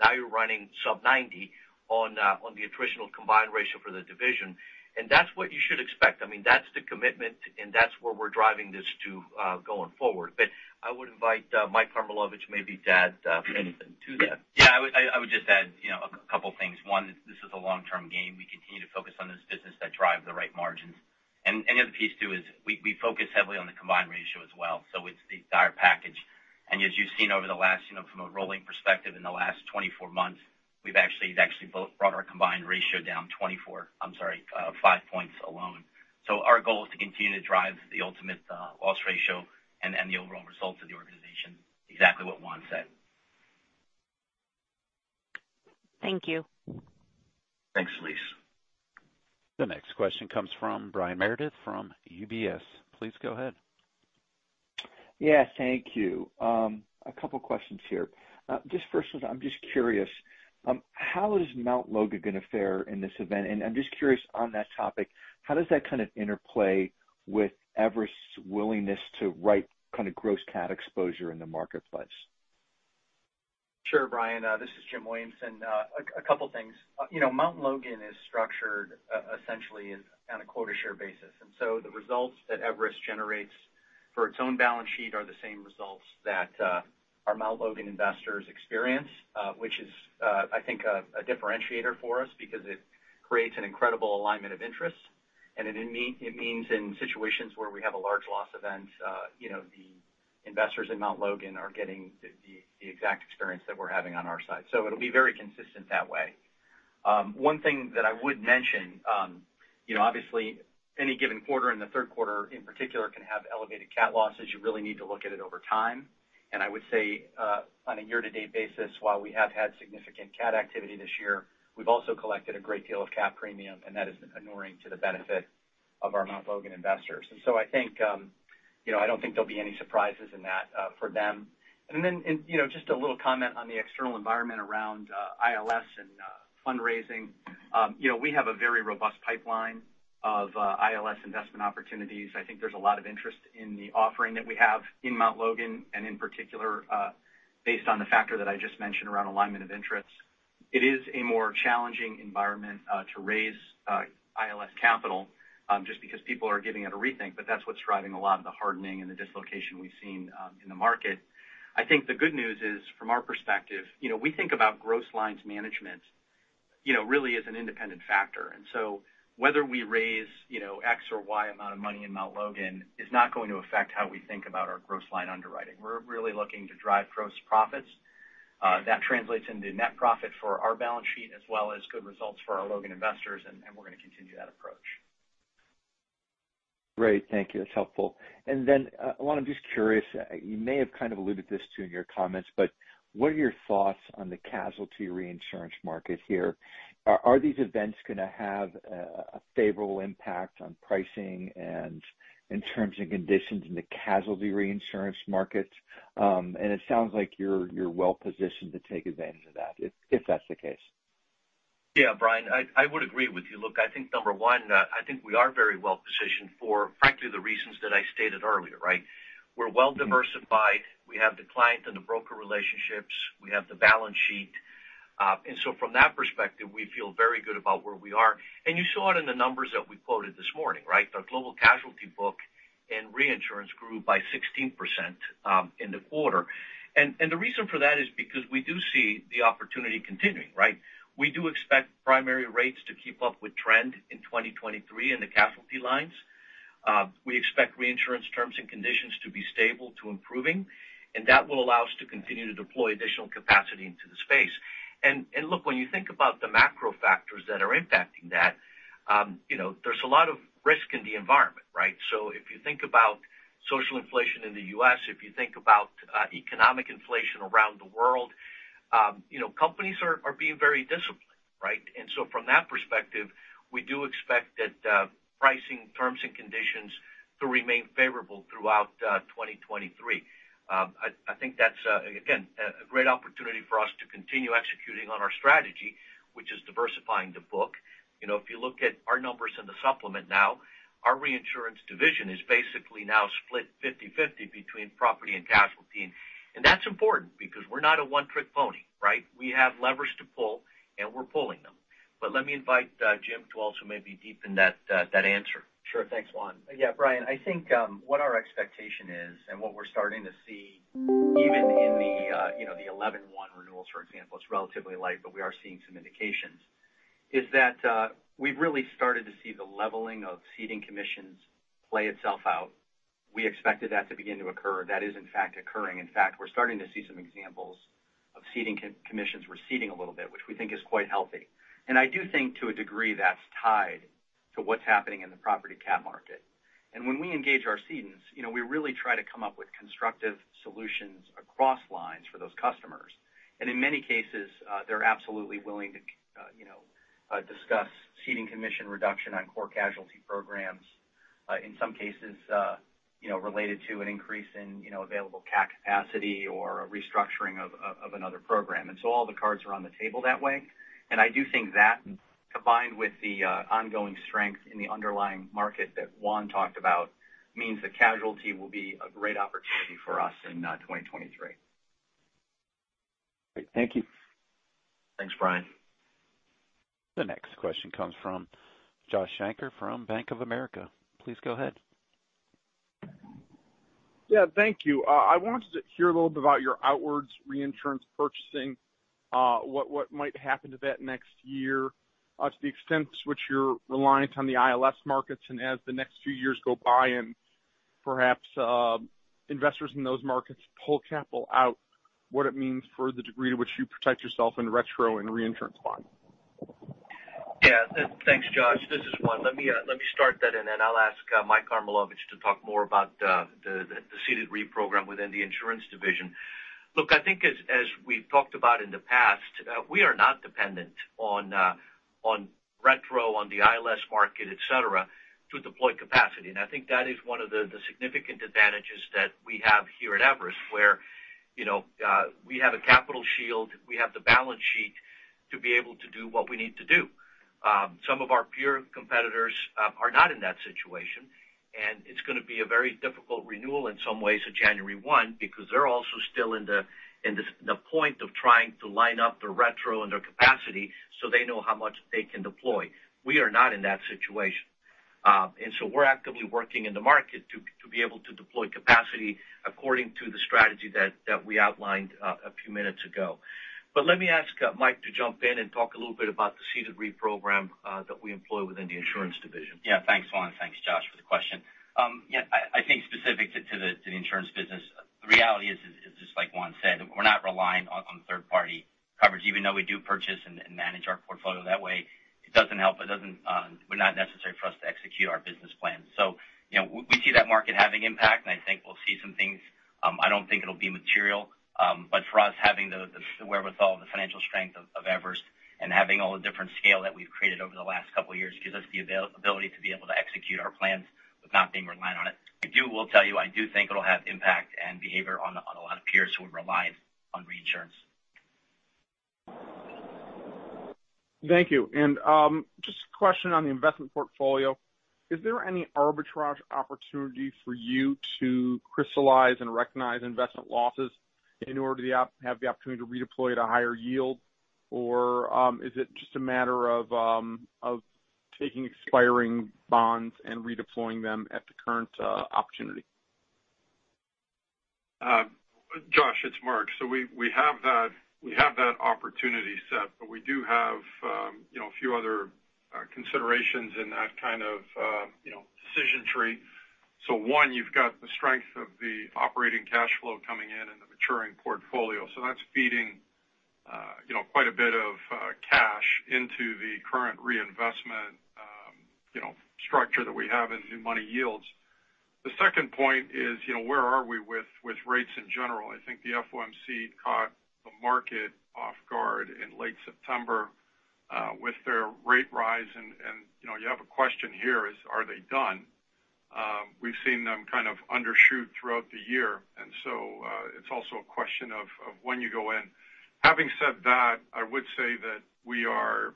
Now you're running sub 90 on the attritional combined ratio for the division. That's what you should expect. I mean, that's the commitment and that's where we're driving this to going forward. I would invite Mike Karmilowicz maybe to add anything to that. Yeah, I would just add, you know, a couple of things. One, this is a long-term game. We continue to focus on this business that drive the right margins. And the other piece too is we focus heavily on the combined ratio as well. So it's the entire package. And as you've seen over the last, you know, from a rolling perspective in the last 24 months, we've actually brought our combined ratio down 5 points alone. So our goal is to continue to drive the ultimate loss ratio and the overall results of the organization. Exactly what Juan said. Thank you. Thanks, Elyse. The next question comes from Brian Meredith from UBS. Please go ahead. Yeah, thank you. A couple questions here. Just first one, I'm just curious, how is Mount Logan going to fare in this event? I'm just curious on that topic, how does that kind of interplay with Everest's willingness to write kind of gross cat exposure in the marketplace? Sure, Brian. This is Jim Williamson. A couple things. You know, Mount Logan is structured essentially on a quota share basis. The results that Everest generates for its own balance sheet are the same results that our Mount Logan investors experience, which is, I think, a differentiator for us because it creates an incredible alignment of interests. It means in situations where we have a large loss event, you know, the investors in Mount Logan are getting the exact experience that we're having on our side. It'll be very consistent that way. One thing that I would mention, you know, obviously any given quarter in the third quarter in particular can have elevated cat losses. You really need to look at it over time. I would say on a year-to-date basis, while we have had significant cat activity this year, we've also collected a great deal of cat premium, and that is inuring to the benefit of our Mount Logan investors. I think you know, I don't think there'll be any surprises in that for them. You know, just a little comment on the external environment around ILS and fundraising. You know, we have a very robust pipeline of ILS investment opportunities. I think there's a lot of interest in the offering that we have in Mount Logan, and in particular based on the factor that I just mentioned around alignment of interests. It is a more challenging environment to raise ILS capital just because people are giving it a rethink, but that's what's driving a lot of the hardening and the dislocation we've seen in the market. I think the good news is from our perspective, you know, we think about gross lines management, you know, really as an independent factor. Whether we raise, you know, X or Y amount of money in Mount Logan is not going to affect how we think about our gross line underwriting. We're really looking to drive gross profits that translates into net profit for our balance sheet as well as good results for our Logan investors. We're going to continue that approach. Great. Thank you. That's helpful. Juan, I'm just curious, you may have kind of alluded to this in your comments, but what are your thoughts on the casualty reinsurance market here? Are these events gonna have a favorable impact on pricing and in terms of conditions in the casualty reinsurance markets? It sounds like you're well positioned to take advantage of that if that's the case. Yeah, Brian, I would agree with you. Look, I think number one, I think we are very well positioned for frankly the reasons that I stated earlier, right? We're well diversified. We have the client and the broker relationships. We have the balance sheet. From that perspective, we feel very good about where we are. You saw it in the numbers that we quoted this morning, right? Our global casualty book and reinsurance grew by 16% in the quarter. The reason for that is because we do see the opportunity continuing, right? We do expect primary rates to keep up with trend in 2023 in the casualty lines. We expect reinsurance terms and conditions to be stable to improving, and that will allow us to continue to deploy additional capacity into the space. Look, when you think about the macro factors that are impacting that, you know, there's a lot of risk in the environment, right? If you think about social inflation in the U.S., if you think about economic inflation around the world, you know, companies are being very disciplined, right? From that perspective, we do expect that pricing terms and conditions to remain favorable throughout 2023. I think that's again a great opportunity for us to continue executing on our strategy, which is diversifying the book. You know, if you look at our numbers in the supplement now, our reinsurance division is basically now split 50/50 between property and casualty. That's important because we're not a one-trick pony, right? We have levers to pull and we're pulling them. Let me invite Jim to also maybe deepen that answer. Sure. Thanks, Juan. Yeah, Brian, I think what our expectation is and what we're starting to see even in the, you know, the 11/1 renewals, for example, it's relatively light, but we are seeing some indications that we've really started to see the leveling of ceding commissions play itself out. We expected that to begin to occur. That is, in fact, occurring. In fact, we're starting to see some examples of ceding commissions receding a little bit, which we think is quite healthy. I do think to a degree that's tied to what's happening in the property cat market. When we engage our cedents, you know, we really try to come up with constructive solutions across lines for those customers. In many cases, they're absolutely willing to, you know, discuss ceding commission reduction on core casualty programs, in some cases, you know, related to an increase in, you know, available cat capacity or a restructuring of another program. All the cards are on the table that way. I do think that combined with the ongoing strength in the underlying market that Juan talked about, means that casualty will be a great opportunity for us in 2023. Great. Thank you. Thanks, Brian. The next question comes from Joshua Shanker from Bank of America. Please go ahead. Yeah, thank you. I wanted to hear a little bit about your outward reinsurance purchasing, what might happen to that next year, to the extent to which you're reliant on the ILS markets and as the next few years go by and perhaps investors in those markets pull capital out, what it means for the degree to which you protect yourself in retro and reinsurance bond. Yeah. Thanks, Josh. This is Juan. Let me start that, and then I'll ask Mike Karmilowicz to talk more about the ceded reprogram within the insurance division. Look, I think as we've talked about in the past, we are not dependent on retro, on the ILS market, et cetera, to deploy capacity. I think that is one of the significant advantages that we have here at Everest, where, you know, we have a capital shield, we have the balance sheet to be able to do what we need to do. Some of our peer competitors are not in that situation, and it's gonna be a very difficult renewal in some ways on January 1 because they're also still at the point of trying to line up their retro and their capacity so they know how much they can deploy. We are not in that situation. We're actively working in the market to be able to deploy capacity according to the strategy that we outlined a few minutes ago. Let me ask Mike to jump in and talk a little bit about the ceded program that we employ within the insurance division. Yeah. Thanks, Juan. Thanks, Josh, for the question. Yeah, I think specific to the insurance business, the reality is just like Juan said, we're not relying on third-party coverage. Even though we do purchase and manage our portfolio that way, it doesn't help, but not necessary for us to execute our business plan. We see that market having impact, and I think we'll see some things. I don't think it'll be material, but for us, having the wherewithal, the financial strength of Everest and having all the different scale that we've created over the last couple of years gives us the availability to be able to execute our plans without being reliant on it. I will tell you, I do think it'll have impact on behavior of a lot of peers who are reliant on reinsurance. Thank you. Just a question on the investment portfolio. Is there any arbitrage opportunity for you to crystallize and recognize investment losses in order to have the opportunity to redeploy at a higher yield? Or, is it just a matter of taking expiring bonds and redeploying them at the current opportunity? Josh, it's Mark. We have that opportunity set, but we do have you know a few other considerations in that kind of you know decision tree. One, you've got the strength of the operating cash flow coming in and the maturing portfolio. That's feeding you know quite a bit of cash into the current reinvestment you know structure that we have in new money yields. The second point is, you know, where are we with rates in general? I think the FOMC caught the market off guard in late September with their rate rise. You know, you have a question here is, are they done? We've seen them kind of undershoot throughout the year, and so it's also a question of when you go in. Having said that, I would say that we are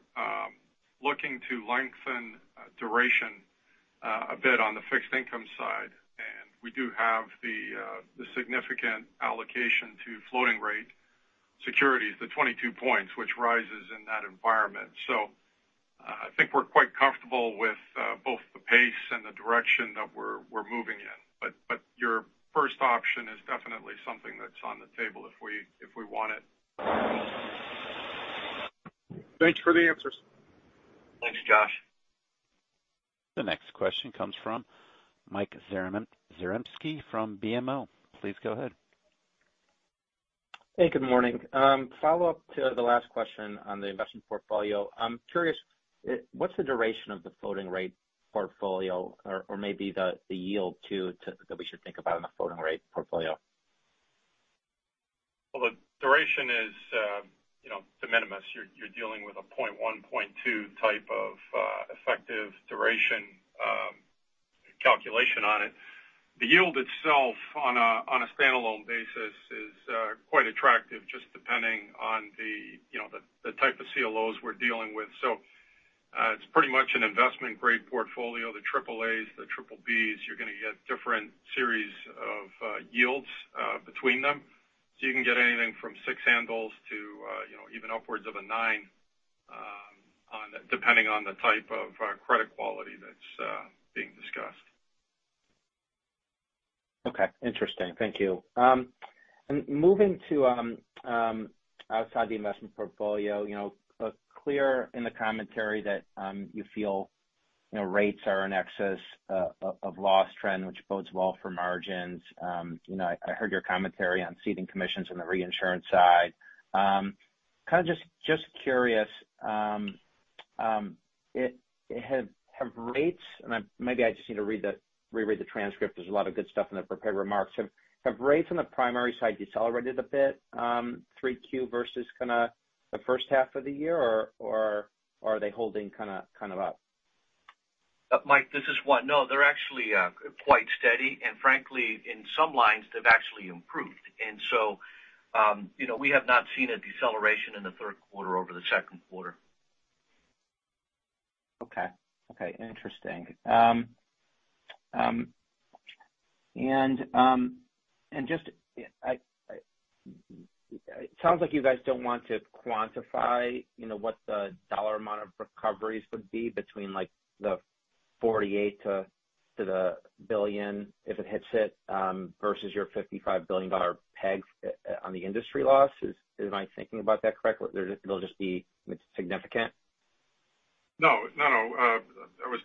looking to lengthen duration a bit on the fixed income side, and we do have the significant allocation to floating rate securities, the 22 points, which rises in that environment. I think we're quite comfortable with both the pace and the direction that we're moving in. But your first option is definitely something that's on the table if we want it. Thanks for the answers. Thanks, Josh. The next question comes from Michael Zaremski from BMO. Please go ahead. Hey, good morning. Follow-up to the last question on the investment portfolio. I'm curious, what's the duration of the floating rate portfolio or maybe the yield too that we should think about in the floating rate portfolio? Well, the duration is, you know, de minimis. You're dealing with a 0.1, 0.2 type of effective duration calculation on it. The yield itself on a standalone basis is quite attractive, just depending on the, you know, the type of CLOs we're dealing with. It's pretty much an investment-grade portfolio, the triple As, the triple Bs. You're gonna get different series of yields between them. You can get anything from six handles to, you know, even upwards of a nine, on, depending on the type of credit quality that's being discussed. Okay, interesting. Thank you. Moving to outside the investment portfolio, you know, clear in the commentary that you feel, you know, rates are in excess of loss trend, which bodes well for margins. You know, I heard your commentary on ceding commissions on the reinsurance side. Kind of just curious, have rates, and I'm maybe I just need to reread the transcript. There's a lot of good stuff in the prepared remarks. Have rates on the primary side decelerated a bit, 3Q versus kind of the first half of the year? Or are they holding kind of up? Mike, this is Juan. No, they're actually quite steady. Frankly, in some lines they've actually improved. You know, we have not seen a deceleration in the third quarter over the second quarter. Okay. Okay, interesting. It just sounds like you guys don't want to quantify, you know, what the dollar amount of recoveries would be between like the $48 to the $1 billion if it hits it, versus your $55 billion peg on the industry loss. Am I thinking about that correctly? It'll just be significant? No. I was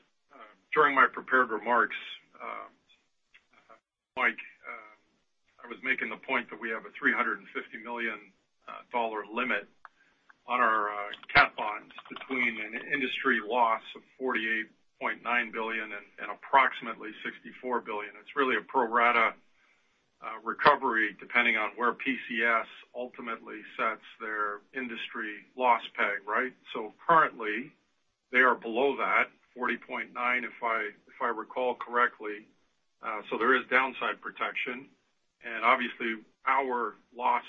during my prepared remarks, Mike, I was making the point that we have a $350 million limit on our cat bonds between an industry loss of $48.9 billion and approximately $64 billion. It's really a pro rata recovery depending on where PCS ultimately sets their industry loss peg, right? Currently they are below that 48.9, if I recall correctly. So there is downside protection. Obviously our loss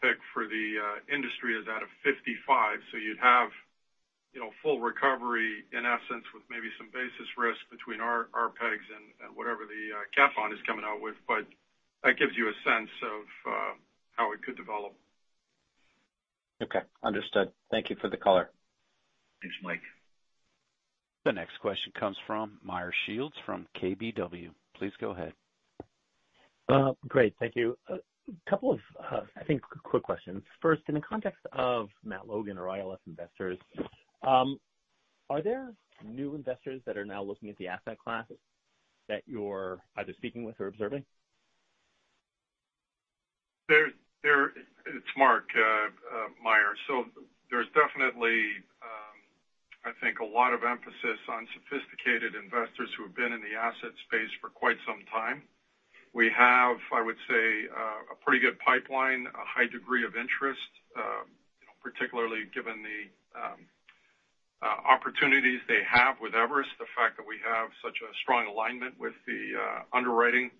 peg for the industry is 55. You'd have, you know, full recovery in essence with maybe some basis risk between our pegs and whatever the cat bond is coming out with. That gives you a sense of how it could develop. Okay. Understood. Thank you for the color. Thanks, Mike. The next question comes from Meyer Shields from KBW. Please go ahead. Great. Thank you. A couple of, I think quick questions. First, in the context of Mount Logan or ILS investors, are there new investors that are now looking at the asset class that you're either speaking with or observing? It's Mark, Meyer. There's definitely, I think a lot of emphasis on sophisticated investors who have been in the asset space for quite some time. We have, I would say, a pretty good pipeline, a high degree of interest, you know, particularly given the opportunities they have with Everest, the fact that we have such a strong alignment with the underwriting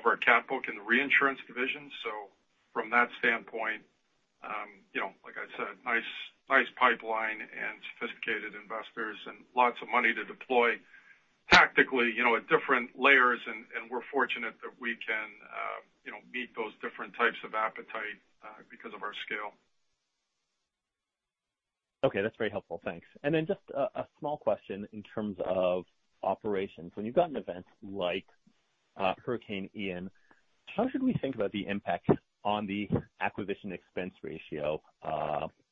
of our cat book and the reinsurance division. From that standpoint, you know, like I said, nice pipeline and sophisticated investors and lots of money to deploy tactically, you know, at different layers. We're fortunate that we can, you know, meet those different types of appetite because of our scale. Okay. That's very helpful. Thanks. Just a small question in terms of operations. When you've gotten events like Hurricane Ian, how should we think about the impact on the acquisition expense ratio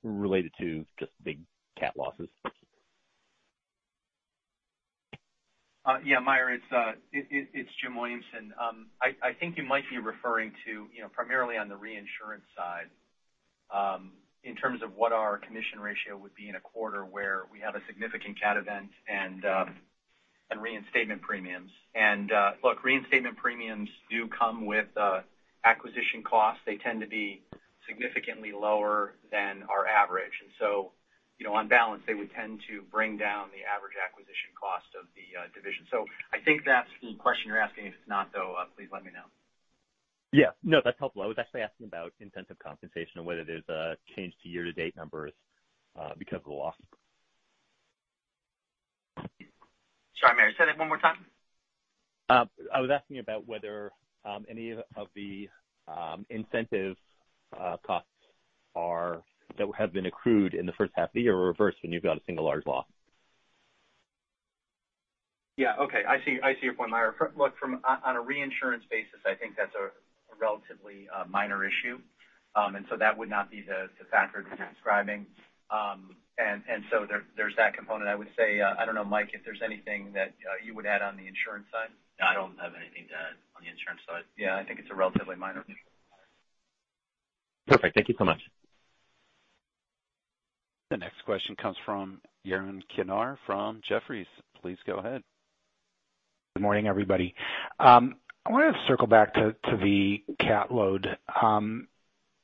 related to just big cat losses? Yeah, Meyer, it's Jim Williamson. I think you might be referring to, you know, primarily on the reinsurance side, in terms of what our commission ratio would be in a quarter where we have a significant cat event and reinstatement premiums. Look, reinstatement premiums do come with acquisition costs. They tend to be significantly lower than our average. You know, on balance, they would tend to bring down the average acquisition cost of the division. I think that's the question you're asking. If it's not though, please let me know. Yeah. No, that's helpful. I was actually asking about incentive compensation and whether there's a change to year-to-date numbers, because of the loss. Sorry, Meyer. Say that one more time. I was asking about whether any of the incentive costs that have been accrued in the first half of the year were reversed when you've got a single large loss. Yeah. Okay. I see your point, Meyer. On a reinsurance basis, I think that's a relatively minor issue. That would not be the factor you're describing. There's that component I would say. I don't know, Mike, if there's anything that you would add on the insurance side. I don't have anything to add on the insurance side. Yeah. I think it's a relatively minor issue. Perfect. Thank you so much. The next question comes from Yaron Kinar from Jefferies. Please go ahead. Good morning, everybody. I wanted to circle back to the cat load.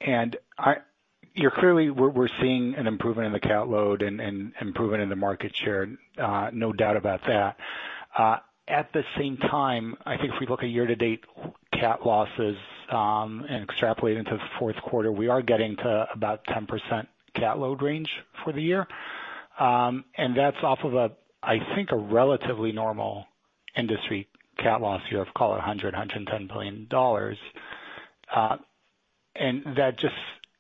You're clearly seeing an improvement in the cat load and improvement in the market share. No doubt about that. At the same time, I think if we look at year-to-date cat losses and extrapolate into the fourth quarter, we are getting to about 10% cat load range for the year. And that's off of, I think, a relatively normal industry cat loss year of call it $110 billion.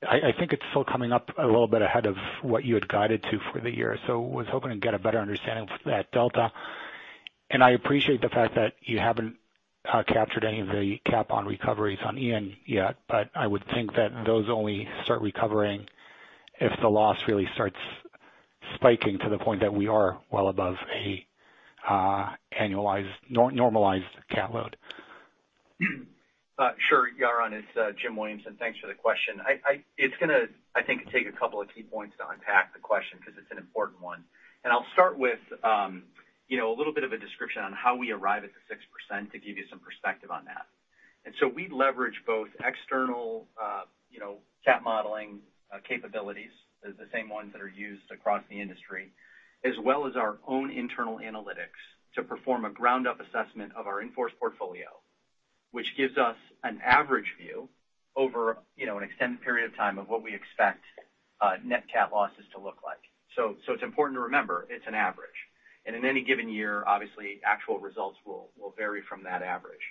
I think it's still coming up a little bit ahead of what you had guided to for the year. Was hoping to get a better understanding of that delta. I appreciate the fact that you haven't captured any of the cap on recoveries on Hurricane Ian yet, but I would think that those only start recovering if the loss really starts spiking to the point that we are well above a annualized non-normalized cat load. Sure, Yaron, it's Jim Williamson. Thanks for the question. It's gonna, I think, take a couple of key points to unpack the question 'cause it's an important one. I'll start with you know a little bit of a description on how we arrive at the 6% to give you some perspective on that. We leverage both external you know cat modeling capabilities, the same ones that are used across the industry, as well as our own internal analytics to perform a ground-up assessment of our in-force portfolio, which gives us an average view over you know an extended period of time of what we expect net cat losses to look like. It's important to remember it's an average. In any given year, obviously, actual results will vary from that average.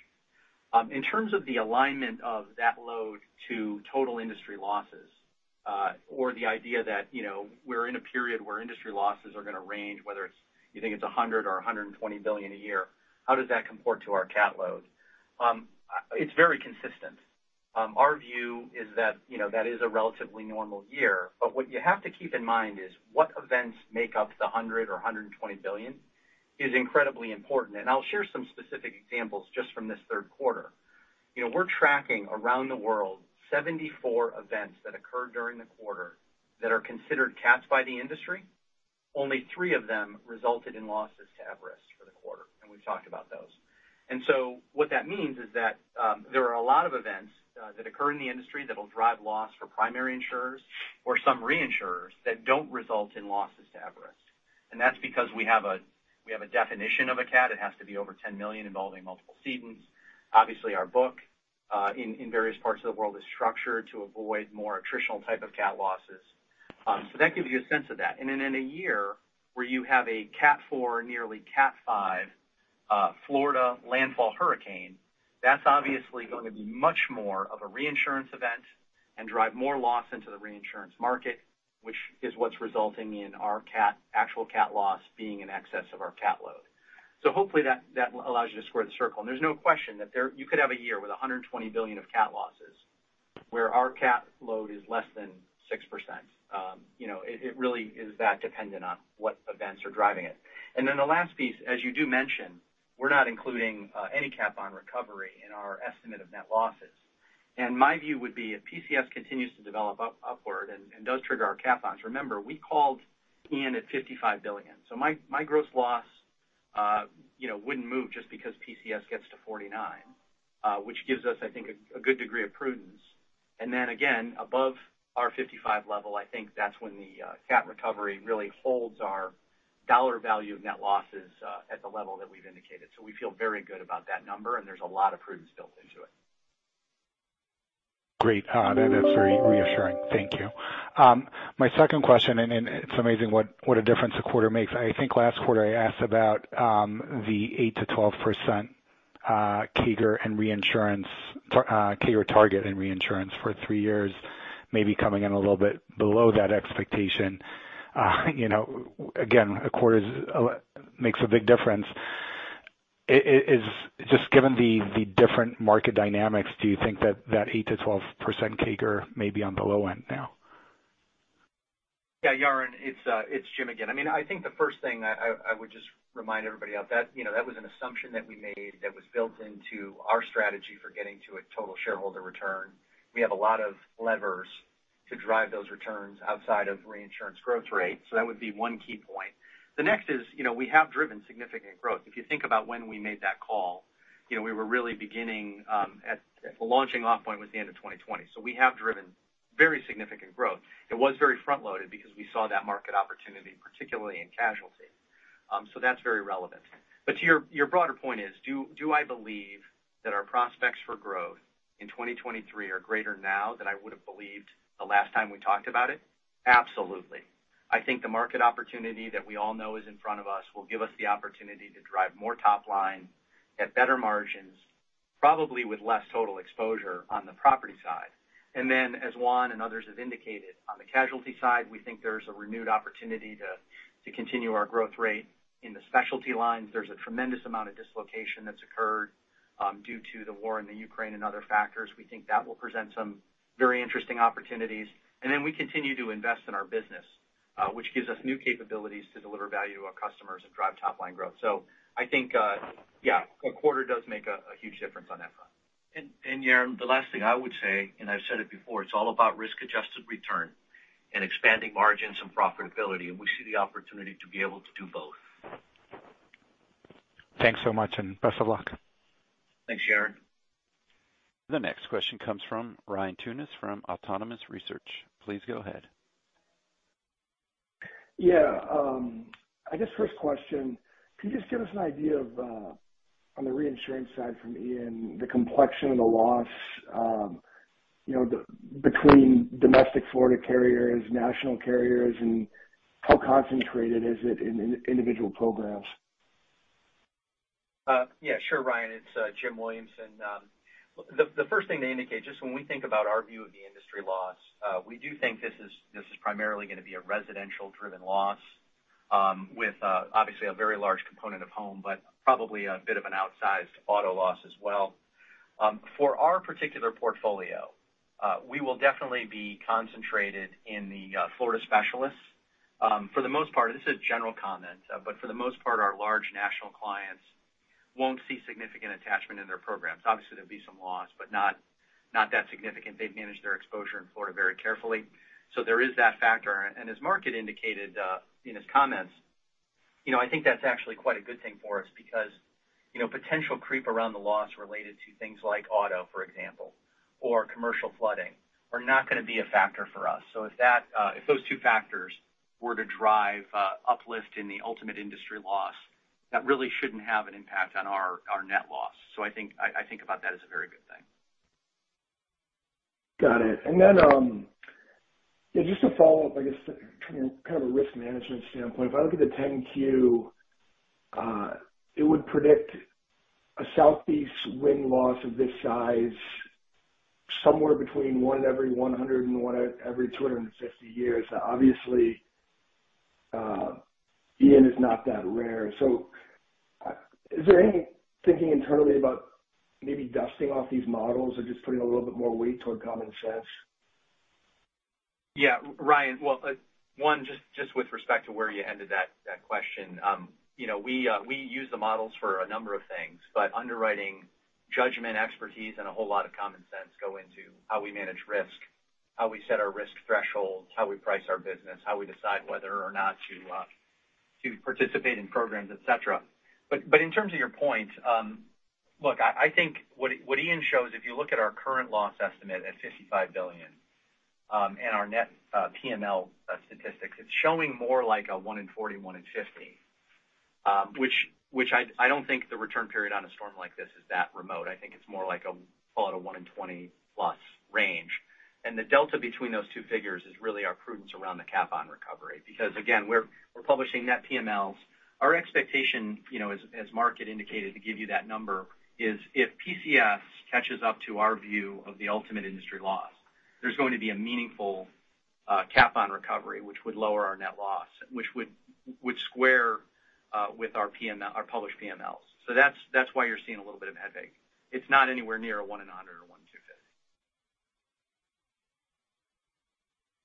In terms of the alignment of that load to total industry losses, or the idea that, you know, we're in a period where industry losses are gonna range, whether it's you think it's $100 billion or $120 billion a year, how does that comport to our cat load? It's very consistent. Our view is that, you know, that is a relatively normal year. What you have to keep in mind is what events make up the $100 billion or $120 billion is incredibly important. I'll share some specific examples just from this third quarter. You know, we're tracking around the world 74 events that occurred during the quarter that are considered cats by the industry. Only three of them resulted in losses to Everest for the quarter, and we've talked about those. What that means is that there are a lot of events that occur in the industry that'll drive loss for primary insurers or some reinsurers that don't result in losses to Everest. That's because we have a definition of a cat. It has to be over 10 million involving multiple cedants. Obviously, our book in various parts of the world is structured to avoid more attritional type of cat losses. That gives you a sense of that. In a year where you have a cat four, nearly cat five, Florida landfall hurricane, that's obviously going to be much more of a reinsurance event and drive more loss into the reinsurance market, which is what's resulting in our cat actual cat loss being in excess of our cat load. Hopefully that allows you to square the circle. There's no question that you could have a year with $120 billion of cat losses where our cat load is less than 6%. You know, it really is that dependent on what events are driving it. Then the last piece, as you do mention, we're not including any cap on recovery in our estimate of net losses. My view would be if PCS continues to develop upward and does trigger our cat bonds, remember, we called it at $55 billion. My gross loss wouldn't move just because PCS gets to $49 billion, which gives us, I think, a good degree of prudence. Above our 55 level, I think that's when the cat recovery really holds our dollar value of net losses at the level that we've indicated. We feel very good about that number, and there's a lot of prudence built into it. Great. That is very reassuring. Thank you. My second question, and it's amazing what a difference a quarter makes. I think last quarter I asked about the 8%-12% CAGR in reinsurance CAGR target in reinsurance for three years, maybe coming in a little bit below that expectation. You know, again, a quarter makes a big difference. Just given the different market dynamics, do you think that 8%-12% CAGR may be on the low end now? Yeah, Yaron, it's Jim again. I mean, I think the first thing I would just remind everybody of that, you know, that was an assumption that we made that was built into our strategy for getting to a total shareholder return. We have a lot of levers to drive those returns outside of reinsurance growth rate. So that would be one key point. The next is, you know, we have driven significant growth. If you think about when we made that call, you know, we were really beginning at the launching off point was the end of 2020. So we have driven very significant growth. It was very front-loaded because we saw that market opportunity, particularly in casualty. So that's very relevant. To your broader point, do I believe that our prospects for growth in 2023 are greater now than I would've believed the last time we talked about it? Absolutely. I think the market opportunity that we all know is in front of us will give us the opportunity to drive more top line at better margins, probably with less total exposure on the property side. As Juan and others have indicated, on the casualty side, we think there's a renewed opportunity to continue our growth rate in the specialty lines. There's a tremendous amount of dislocation that's occurred due to the war in Ukraine and other factors. We think that will present some very interesting opportunities. We continue to invest in our business, which gives us new capabilities to deliver value to our customers and drive top-line growth. I think, yeah, a quarter does make a huge difference on that front. Yaron, the last thing I would say, and I've said it before, it's all about risk-adjusted return and expanding margins and profitability, and we see the opportunity to be able to do both. Thanks so much, and best of luck. Thanks, Yaron. The next question comes from Ryan Tunis from Autonomous Research. Please go ahead. Yeah. I guess first question, can you just give us an idea of, on the reinsurance side from Ian, the complexion of the loss between domestic Florida carriers, national carriers, and how concentrated is it in individual programs? Yeah, sure, Ryan. It's Jim Williamson. The first thing to indicate, just when we think about our view of the industry loss, we do think this is primarily gonna be a residential driven loss, with obviously a very large component of home, but probably a bit of an outsized auto loss as well. For our particular portfolio, we will definitely be concentrated in the Florida specialists. For the most part. This is a general comment, but for the most part, our large national clients won't see significant attachment in their programs. Obviously, there'll be some loss, but not that significant. They've managed their exposure in Florida very carefully. There is that factor. As Mark had indicated, in his comments, you know, I think that's actually quite a good thing for us because, you know, potential creep around the loss related to things like auto, for example, or commercial flooding are not gonna be a factor for us. If that, if those two factors were to drive uplift in the ultimate industry loss, that really shouldn't have an impact on our net loss. I think about that as a very good thing. Got it. Then, just to follow up, I guess, kind of a risk management standpoint, if I look at the 10-Q, it would predict a southeast wind loss of this size somewhere between one in every 100 and one in every 250 years. Obviously, Ian is not that rare. Is there any thinking internally about maybe dusting off these models or just putting a little bit more weight toward common sense? Yeah. Ryan, well, one, just with respect to where you ended that question, you know, we use the models for a number of things, but underwriting judgment, expertise, and a whole lot of common sense go into how we manage risk, how we set our risk thresholds, how we price our business, how we decide whether or not to participate in programs, et cetera. In terms of your point, look, I think what Ian shows, if you look at our current loss estimate at $55 billion, and our net PML statistics, it's showing more like a one in 40, one in 50, which I don't think the return period on a storm like this is that remote. I think it's more like a one in 20 plus range. The delta between those two figures is really our prudence around the cat bond recovery. Because again, we're publishing net PMLs. Our expectation, you know, as market indicated to give you that number is if PCS catches up to our view of the ultimate industry loss, there's going to be a meaningful cat bond recovery, which would lower our net loss, which would square with our published PMLs. That's why you're seeing a little bit of headache. It's not anywhere near a 1 in 100 or 1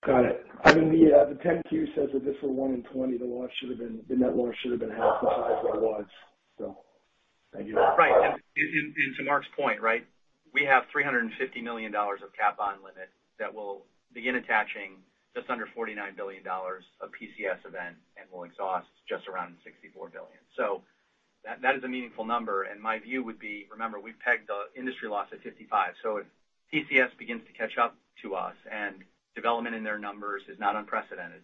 in 250. Got it. I mean, the 10-Q says if this were 1 in 20, the net loss should have been half of what it was. Thank you. Right. To Mark's point, right, we have $350 million of cat bond limit that will begin attaching just under $49 billion of PCS event and will exhaust just around $64 billion. That is a meaningful number. My view would be, remember, we've pegged the industry loss at $55 billion. If PCS begins to catch up to us and development in their numbers is not unprecedented,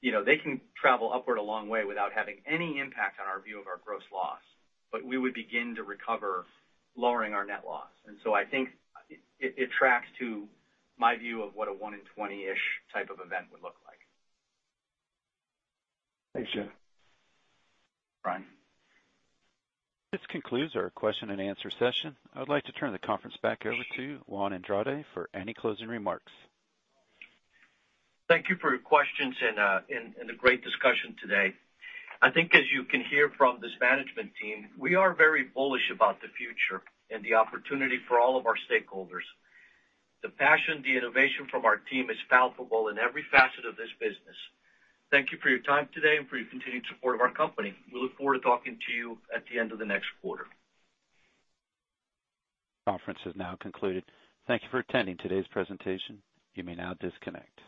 you know, they can travel upward a long way without having any impact on our view of our gross loss. We would begin to recover lowering our net loss. I think it tracks to my view of what a one in 20-ish type of event would look like. Thanks, Jim. Ryan. This concludes our question and answer session. I would like to turn the conference back over to Juan Andrade for any closing remarks. Thank you for your questions and the great discussion today. I think as you can hear from this management team, we are very bullish about the future and the opportunity for all of our stakeholders. The passion, the innovation from our team is palpable in every facet of this business. Thank you for your time today and for your continued support of our company. We look forward to talking to you at the end of the next quarter. Conference is now concluded. Thank you for attending today's presentation. You may now disconnect.